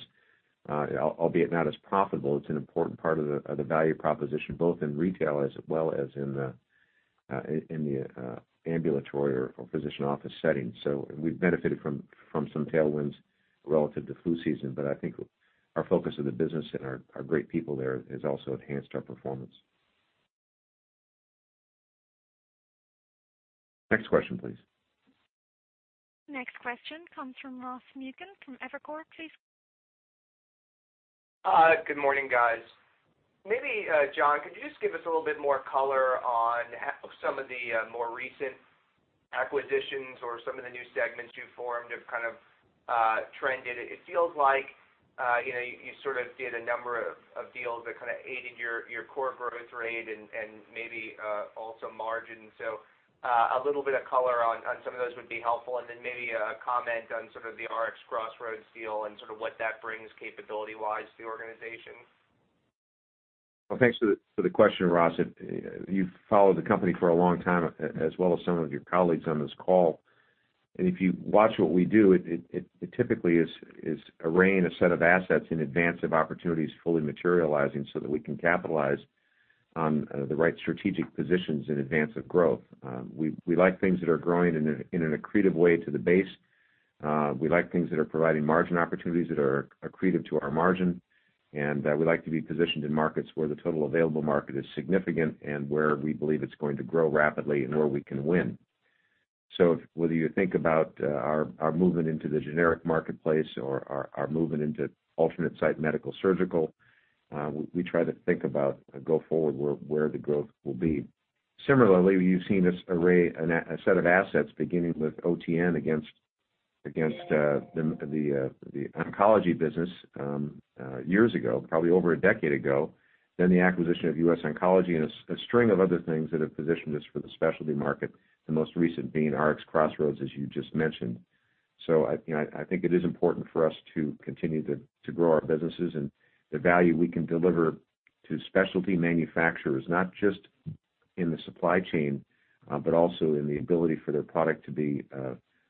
S3: albeit not as profitable. It's an important part of the value proposition, both in retail as well as in the ambulatory or physician office setting. We've benefited from some tailwinds relative to flu season, but I think our focus of the business and our great people there has also enhanced our performance. Next question, please.
S1: Next question comes from Ross Muken from Evercore. Please go ahead.
S10: Good morning, guys. Maybe, John, could you just give us a little bit more color on some of the more recent acquisitions or some of the new segments you've formed have kind of trended. It feels like you did a number of deals that aided your core growth rate and maybe also margin. A little bit of color on some of those would be helpful, and then maybe a comment on the RxCrossroads deal and sort of what that brings capability-wise to the organization.
S3: Well, thanks for the question, Ross. You've followed the company for a long time, as well as some of your colleagues on this call. If you watch what we do, it typically is arraying a set of assets in advance of opportunities fully materializing so that we can capitalize on the right strategic positions in advance of growth. We like things that are growing in an accretive way to the base. We like things that are providing margin opportunities that are accretive to our margin, and we like to be positioned in markets where the total available market is significant and where we believe it's going to grow rapidly and where we can win. Whether you think about our movement into the generic marketplace or our movement into alternate site Medical-Surgical, we try to think about, go forward, where the growth will be. Similarly, you've seen us array a set of assets, beginning with OTN against the oncology business years ago, probably over a decade ago, then the acquisition of US Oncology and a string of other things that have positioned us for the specialty market, the most recent being RxCrossroads, as you just mentioned. I think it is important for us to continue to grow our businesses and the value we can deliver to specialty manufacturers, not just in the supply chain, but also in the ability for their product to be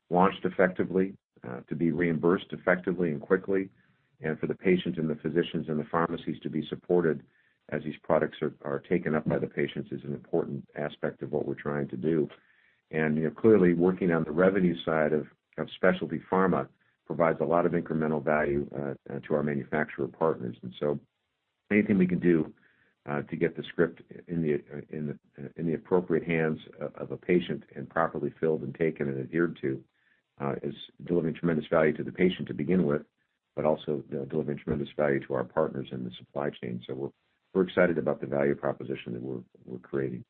S3: launched effectively, to be reimbursed effectively and quickly, and for the patients and the physicians and the pharmacies to be supported as these products are taken up by the patients is an important aspect of what we're trying to do. Clearly, working on the revenue side of specialty pharma provides a lot of incremental value to our manufacturer partners. Anything we can do to get the script in the appropriate hands of a patient and properly filled and taken and adhered to is delivering tremendous value to the patient to begin with, but also delivering tremendous value to our partners in the supply chain. We're excited about the value proposition that we're creating.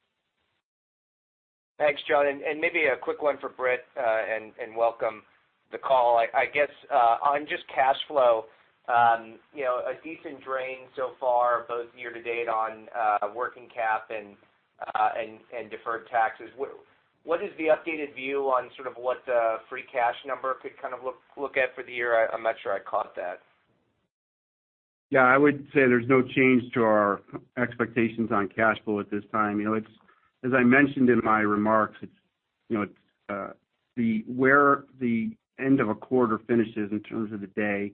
S10: Thanks, John. Maybe a quick one for Britt, and welcome to call. I guess, on just cash flow, a decent drain so far both year-to-date on working cap and deferred taxes. What is the updated view on sort of what the free cash number could look at for the year? I'm not sure I caught that.
S4: I would say there's no change to our expectations on cash flow at this time. As I mentioned in my remarks, where the end of a quarter finishes in terms of the day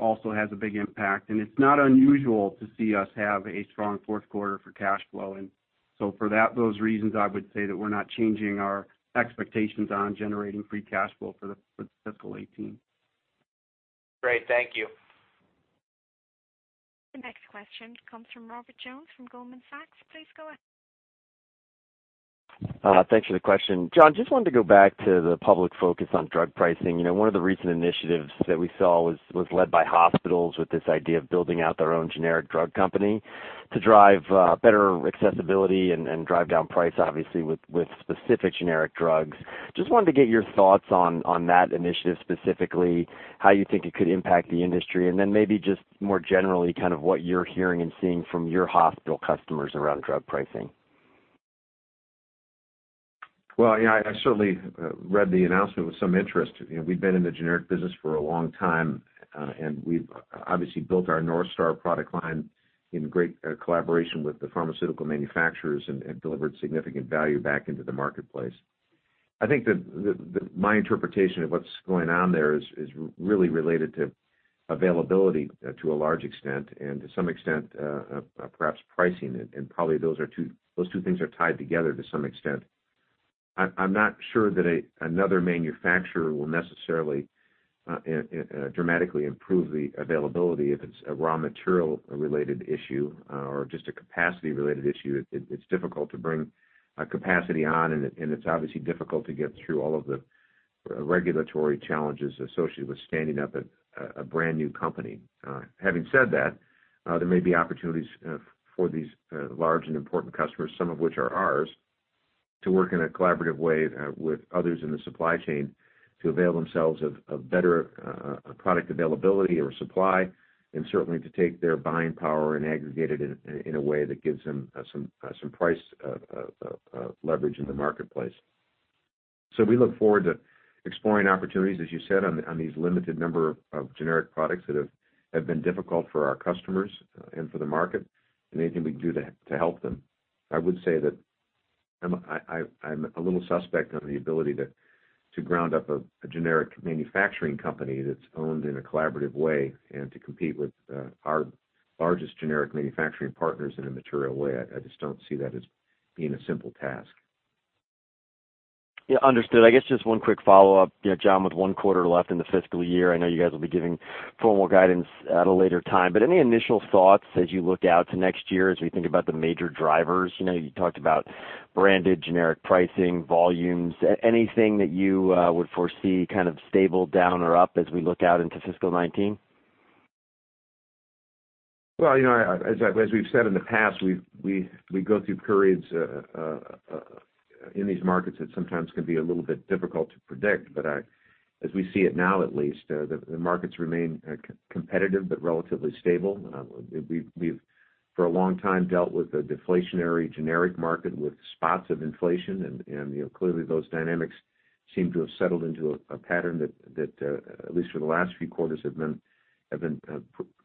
S4: also has a big impact. It's not unusual to see us have a strong fourth quarter for cash flow. For those reasons, I would say that we're not changing our expectations on generating free cash flow for fiscal 2018.
S10: Great. Thank you.
S1: The next question comes from Robert Jones from Goldman Sachs. Please go ahead.
S11: Thanks for the question. John, just wanted to go back to the public focus on drug pricing. One of the recent initiatives that we saw was led by hospitals with this idea of building out their own generic drug company to drive better accessibility and drive down price, obviously, with specific generic drugs. Just wanted to get your thoughts on that initiative, specifically, how you think it could impact the industry, and then maybe just more generally, what you're hearing and seeing from your hospital customers around drug pricing.
S3: Well, yeah, I certainly read the announcement with some interest. We've been in the generic business for a long time. We've obviously built our NorthStar product line in great collaboration with the pharmaceutical manufacturers and delivered significant value back into the marketplace. I think that my interpretation of what's going on there is really related to availability to a large extent, and to some extent, perhaps pricing, and probably those two things are tied together to some extent. I'm not sure that another manufacturer will necessarily dramatically improve the availability if it's a raw material related issue or just a capacity related issue. It's difficult to bring a capacity on, and it's obviously difficult to get through all of the regulatory challenges associated with standing up a brand-new company. Having said that, there may be opportunities for these large and important customers, some of which are ours, to work in a collaborative way with others in the supply chain to avail themselves of better product availability or supply, and certainly to take their buying power and aggregate it in a way that gives them some price leverage in the marketplace. We look forward to exploring opportunities, as you said, on these limited number of generic products that have been difficult for our customers and for the market, and anything we can do to help them. I would say that I'm a little suspect on the ability to ground up a generic manufacturing company that's owned in a collaborative way and to compete with our largest generic manufacturing partners in a material way. I just don't see that as being a simple task.
S11: Yeah, understood. I guess just one quick follow-up. John, with one quarter left in the fiscal year, I know you guys will be giving formal guidance at a later time, but any initial thoughts as you look out to next year, as we think about the major drivers? You talked about branded generic pricing, volumes. Anything that you would foresee stable down or up as we look out into fiscal 2019?
S3: As we've said in the past, we go through periods in these markets that sometimes can be a little bit difficult to predict. As we see it now, at least, the markets remain competitive but relatively stable. We've, for a long time, dealt with a deflationary generic market with spots of inflation, clearly, those dynamics seem to have settled into a pattern that, at least for the last few quarters, have been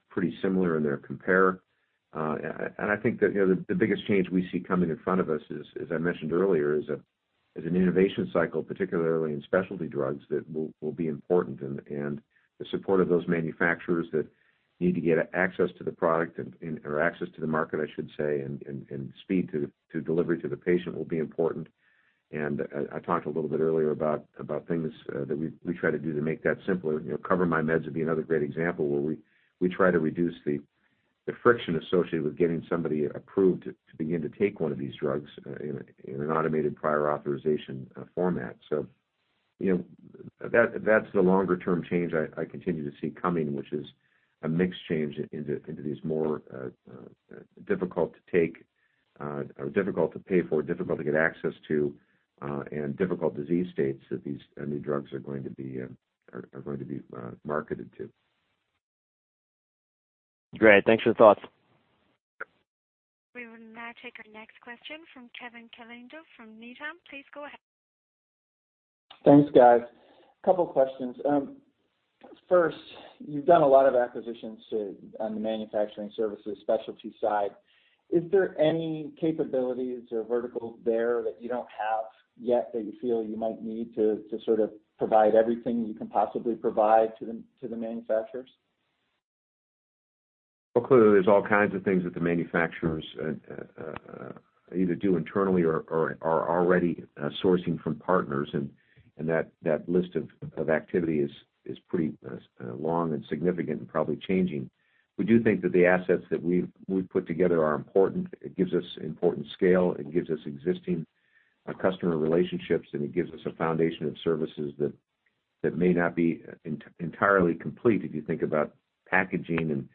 S3: pretty similar in their compare. I think that the biggest change we see coming in front of us, as I mentioned earlier, is an innovation cycle, particularly in specialty drugs, that will be important, and the support of those manufacturers that need to get access to the product or access to the market, I should say, and speed to delivery to the patient will be important. I talked a little bit earlier about things that we try to do to make that simpler. CoverMyMeds would be another great example, where we try to reduce the friction associated with getting somebody approved to begin to take one of these drugs in an automated prior authorization format. That's the longer-term change I continue to see coming, which is a mix change into these more difficult to take, difficult to pay for, difficult to get access to, and difficult disease states that these new drugs are going to be marketed to.
S11: Great. Thanks for the thoughts.
S1: We will now take our next question from Kevin Caliendo from Needham. Please go ahead.
S12: Thanks, guys. Couple questions. First, you've done a lot of acquisitions on the manufacturing services Specialty side. Is there any capabilities or verticals there that you don't have yet that you feel you might need to sort of provide everything you can possibly provide to the manufacturers?
S3: Well, clearly, there's all kinds of things that the manufacturers either do internally or are already sourcing from partners, and that list of activity is pretty long and significant and probably changing. We do think that the assets that we've put together are important. It gives us important scale, it gives us existing customer relationships, and it gives us a foundation of services that may not be entirely complete if you think about packaging and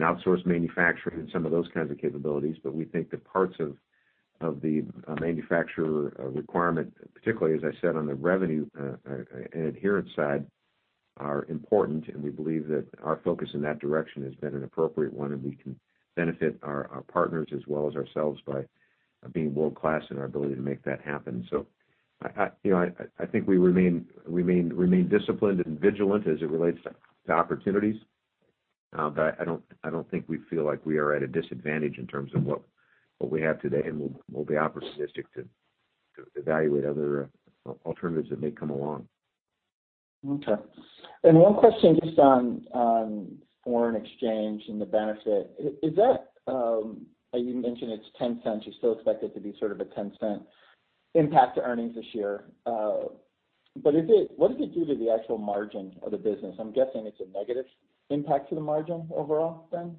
S3: outsource manufacturing and some of those kinds of capabilities. We think that parts of the manufacturer requirement, particularly, as I said, on the revenue and adherence side, are important, and we believe that our focus in that direction has been an appropriate one, and we can benefit our partners as well as ourselves by being world-class in our ability to make that happen. I think we remain disciplined and vigilant as it relates to opportunities. I don't think we feel like we are at a disadvantage in terms of what we have today, and we'll be opportunistic to evaluate other alternatives that may come along.
S12: Okay. One question just on foreign exchange and the benefit. You mentioned it's $0.10. You still expect it to be sort of a $0.10 impact to earnings this year. What does it do to the actual margin of the business? I'm guessing it's a negative impact to the margin overall, then?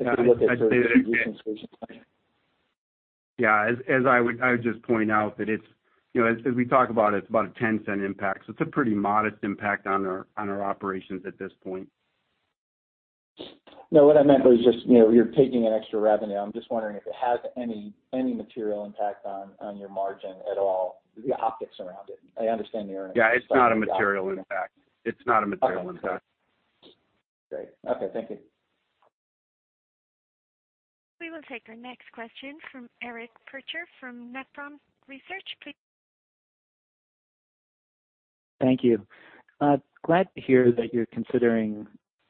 S12: If you look at the Distribution Solutions side.
S3: Yeah, I would just point out that as we talk about it's about a $0.10 impact. It's a pretty modest impact on our operations at this point.
S12: No, what I meant was just, you're taking in extra revenue. I'm just wondering if it has any material impact on your margin at all, the optics around it. I understand the earnings.
S3: Yeah, it's not a material impact.
S12: Okay. Great. Okay, thank you.
S1: We will take our next question from Eric Percher from Nephron Research.
S13: Thank you. Glad to hear that you're considering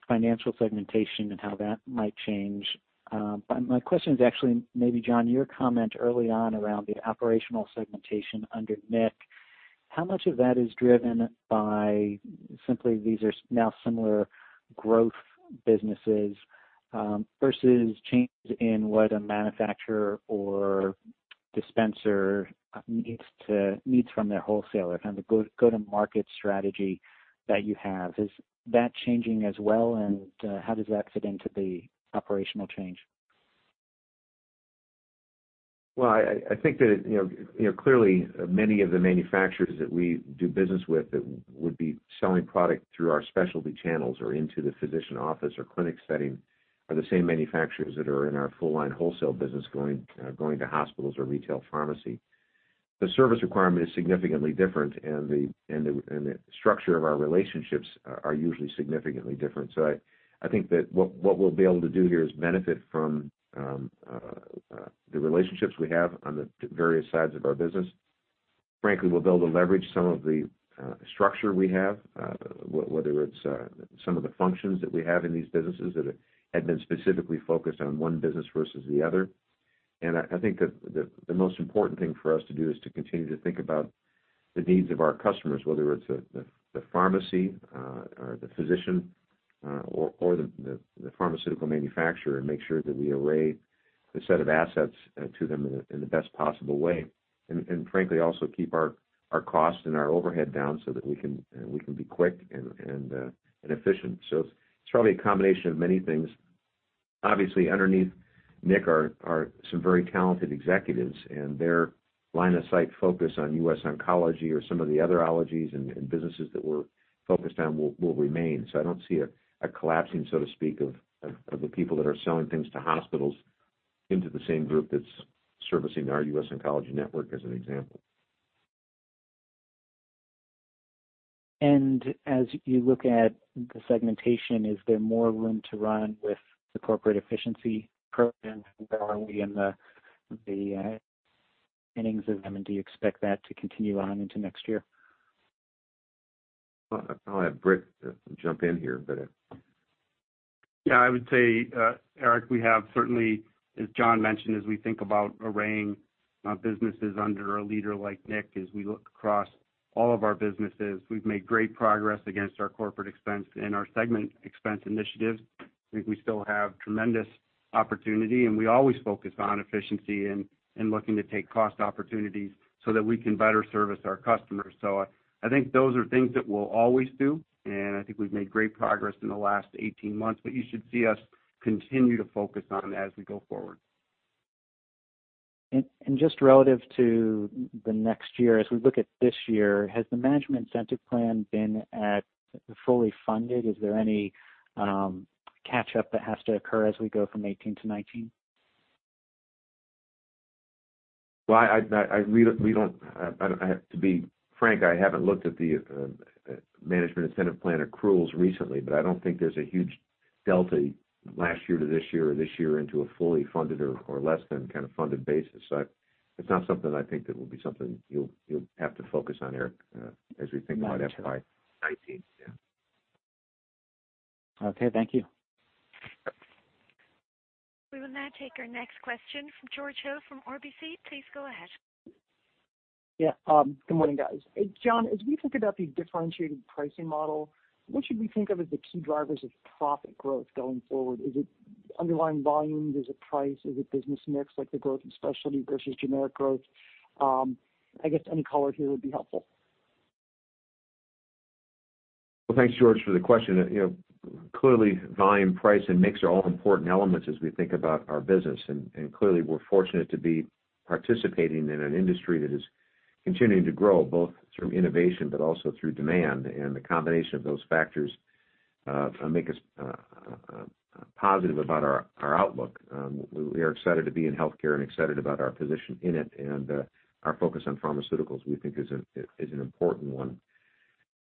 S13: financial segmentation and how that might change. My question is actually, maybe, John, your comment early on around the operational segmentation under Nick. How much of that is driven by simply these are now similar growth businesses versus changes in what a manufacturer or dispenser needs from their wholesaler, kind of go-to-market strategy that you have. Is that changing as well, and how does that fit into the operational change?
S3: I think that, clearly, many of the manufacturers that we do business with that would be selling product through our specialty channels or into the physician office or clinic setting are the same manufacturers that are in our full-line wholesale business going to hospitals or retail pharmacy. The service requirement is significantly different, and the structure of our relationships are usually significantly different. I think that what we'll be able to do here is benefit from the relationships we have on the various sides of our business. Frankly, we'll be able to leverage some of the structure we have, whether it's some of the functions that we have in these businesses that had been specifically focused on one business versus the other. I think that the most important thing for us to do is to continue to think about the needs of our customers, whether it's the pharmacy, or the physician, or the pharmaceutical manufacturer, and make sure that we array the set of assets to them in the best possible way. Frankly, also keep our costs and our overhead down so that we can be quick and efficient. It's probably a combination of many things. Obviously, underneath Nick are some very talented executives, and their line of sight focus on US Oncology or some of the other -ologies and businesses that we're focused on will remain. I don't see a collapsing, so to speak, of the people that are selling things to hospitals into the same group that's servicing our US Oncology network, as an example.
S13: As you look at the segmentation, is there more room to run with the corporate efficiency program? Where are we in the innings of them, and do you expect that to continue on into next year?
S3: I'll have Britt jump in here.
S4: Yeah, I would say, Eric, we have certainly, as John mentioned, as we think about arraying our businesses under a leader like Nick, as we look across all of our businesses, we've made great progress against our corporate expense and our segment expense initiatives. I think we still have tremendous opportunity, and we always focus on efficiency and looking to take cost opportunities so that we can better service our customers. I think those are things that we'll always do, and I think we've made great progress in the last 18 months, but you should see us continue to focus on as we go forward.
S13: Just relative to the next year, as we look at this year, has the management incentive plan been fully funded? Is there any catch-up that has to occur as we go from 2018 to 2019?
S3: Well, to be frank, I haven't looked at the management incentive plan accruals recently, I don't think there's a huge delta last year to this year or this year into a fully funded or less than kind of funded basis. It's not something that I think that will be something you'll have to focus on, Eric, as we think about FY 2019.
S13: Okay, thank you.
S1: We will now take our next question from George Hill from RBC. Please go ahead.
S14: Yeah. Good morning, guys. John, as we think about the differentiated pricing model, what should we think of as the key drivers of profit growth going forward? Is it underlying volume? Is it price? Is it business mix, like the growth in specialty versus generic growth? I guess any color here would be helpful.
S3: Well, thanks, George, for the question. Clearly, volume, price, and mix are all important elements as we think about our business. Clearly, we're fortunate to be participating in an industry that is continuing to grow, both through innovation, but also through demand. The combination of those factors make us positive about our outlook. We are excited to be in healthcare and excited about our position in it, and our focus on pharmaceuticals, we think is an important one.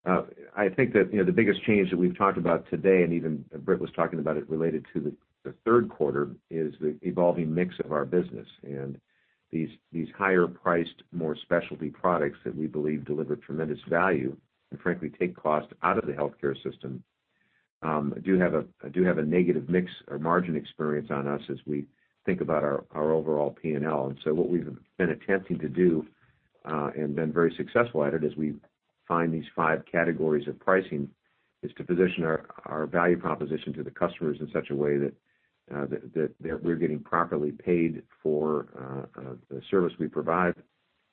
S3: I think that the biggest change that we've talked about today, and even Britt was talking about it related to the third quarter, is the evolving mix of our business. These higher-priced, more specialty products that we believe deliver tremendous value and frankly take cost out of the healthcare system, do have a negative mix or margin experience on us as we think about our overall P&L. What we've been attempting to do, and been very successful at it, as we find these 5 categories of pricing, is to position our value proposition to the customers in such a way that we're getting properly paid for the service we provide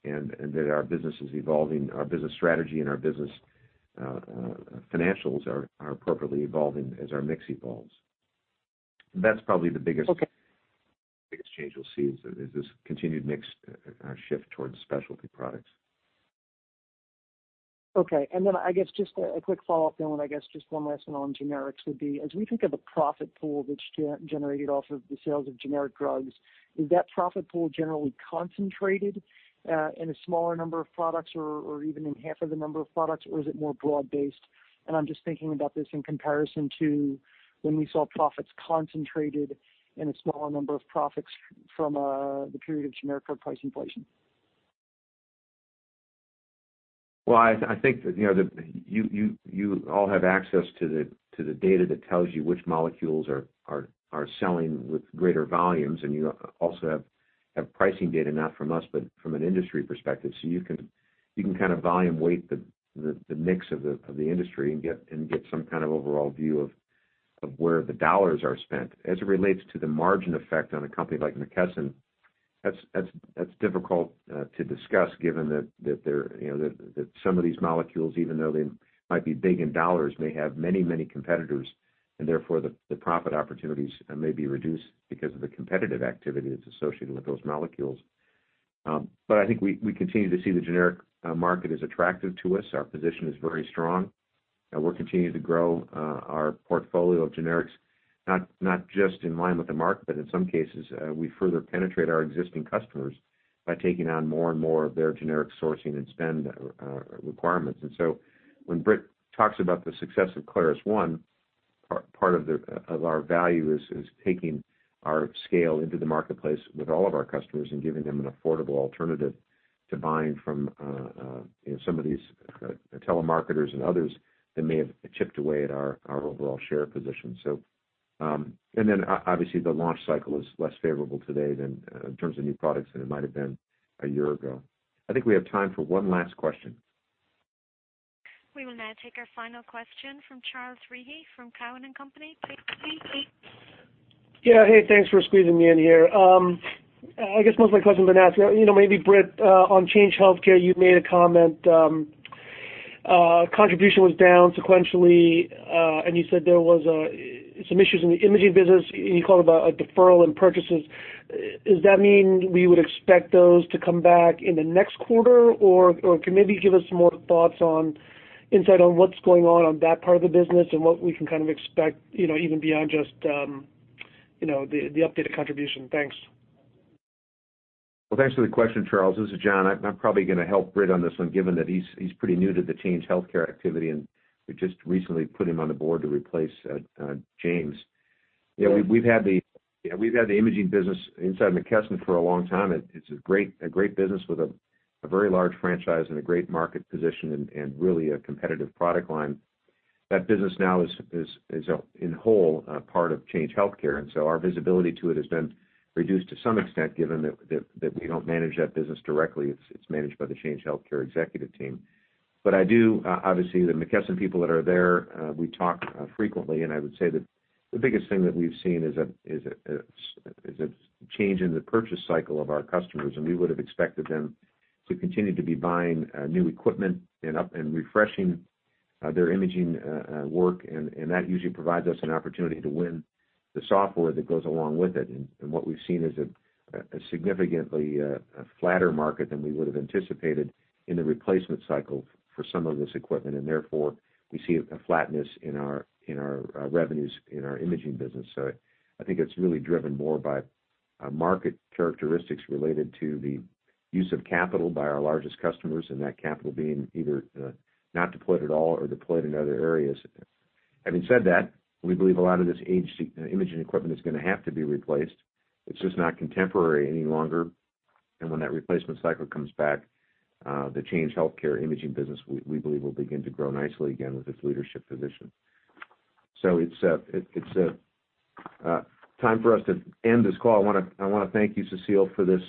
S3: and that our business is evolving, our business strategy and our business financials are appropriately evolving as our mix evolves.
S14: Okay
S3: biggest change you'll see is this continued mix shift towards specialty products.
S14: Okay. Then I guess just a quick follow-up then, I guess just one last one on generics would be, as we think of a profit pool which generated off of the sales of generic drugs, is that profit pool generally concentrated in a smaller number of products or even in half of the number of products, or is it more broad-based? I'm just thinking about this in comparison to when we saw profits concentrated in a smaller number of profits from the period of generic drug price inflation.
S3: Well, I think that you all have access to the data that tells you which molecules are selling with greater volumes, you also have pricing data, not from us, but from an industry perspective. You can volume weight the mix of the industry and get some kind of overall view of where the dollars are spent. As it relates to the margin effect on a company like McKesson, that's difficult to discuss given that some of these molecules, even though they might be big in dollars, may have many competitors, therefore, the profit opportunities may be reduced because of the competitive activity that's associated with those molecules. I think we continue to see the generic market as attractive to us. Our position is very strong. We're continuing to grow our portfolio of generics, not just in line with the market, but in some cases, we further penetrate our existing customers by taking on more and more of their generic sourcing and spend requirements. When Britt talks about the success of ClarusONE, part of our value is taking our scale into the marketplace with all of our customers and giving them an affordable alternative to buying from some of the telemarketers and others that may have chipped away at our overall share position. Then obviously, the launch cycle is less favorable today in terms of new products than it might have been a year ago. I think we have time for one last question.
S1: We will now take our final question from Charles Rhyee from Cowen and Company. Charles, please.
S15: Yeah. Hey, thanks for squeezing me in here. I guess most of my questions have been asked. Maybe Britt, on Change Healthcare, you made a comment, contribution was down sequentially. You said there were some issues in the imaging business, and you called it a deferral in purchases. Does that mean we would expect those to come back in the next quarter, or can you maybe give us some more thoughts on insight on what's going on in that part of the business and what we can kind of expect, even beyond just the updated contribution? Thanks.
S3: Well, thanks for the question, Charles. This is John. I'm probably going to help Britt on this one, given that he's pretty new to the Change Healthcare activity. We just recently put him on the board to replace James. Yeah, we've had the imaging business inside McKesson for a long time. It's a great business with a very large franchise and a great market position and really a competitive product line. That business now is, in whole, part of Change Healthcare. Our visibility to it has been reduced to some extent, given that we don't manage that business directly. It's managed by the Change Healthcare executive team. I do, obviously, the McKesson people that are there, we talk frequently, and I would say that the biggest thing that we've seen is a change in the purchase cycle of our customers. We would've expected them to continue to be buying new equipment and refreshing their imaging work. That usually provides us an opportunity to win the software that goes along with it. What we've seen is a significantly flatter market than we would've anticipated in the replacement cycle for some of this equipment. Therefore, we see a flatness in our revenues in our imaging business. I think it's really driven more by market characteristics related to the use of capital by our largest customers. That capital being either not deployed at all or deployed in other areas. Having said that, we believe a lot of this imaging equipment is going to have to be replaced. It's just not contemporary any longer. When that replacement cycle comes back, the Change Healthcare imaging business, we believe, will begin to grow nicely again with its leadership position. It's time for us to end this call. I want to thank you, Cecile, for this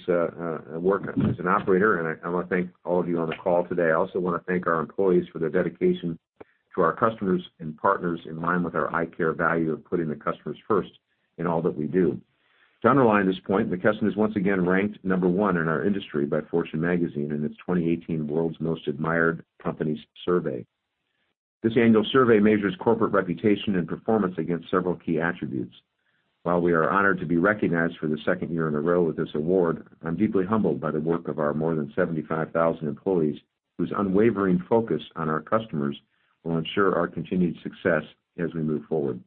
S3: work as an operator, and I want to thank all of you on the call today. I also want to thank our employees for their dedication to our customers and partners in line with our ICARE value of putting the customers first in all that we do. To underline this point, McKesson is once again ranked number one in our industry by Fortune magazine in its 2018 World's Most Admired Companies survey. This annual survey measures corporate reputation and performance against several key attributes. While we are honored to be recognized for the second year in a row with this award, I'm deeply humbled by the work of our more than 75,000 employees, whose unwavering focus on our customers will ensure our continued success as we move forward.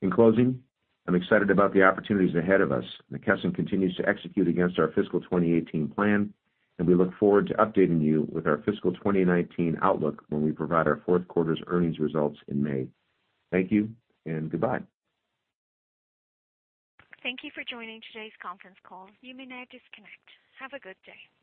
S3: In closing, I'm excited about the opportunities ahead of us. McKesson continues to execute against our fiscal 2018 plan, and we look forward to updating you with our fiscal 2019 outlook when we provide our fourth quarter's earnings results in May. Thank you and goodbye.
S1: Thank you for joining today's conference call. You may now disconnect. Have a good day.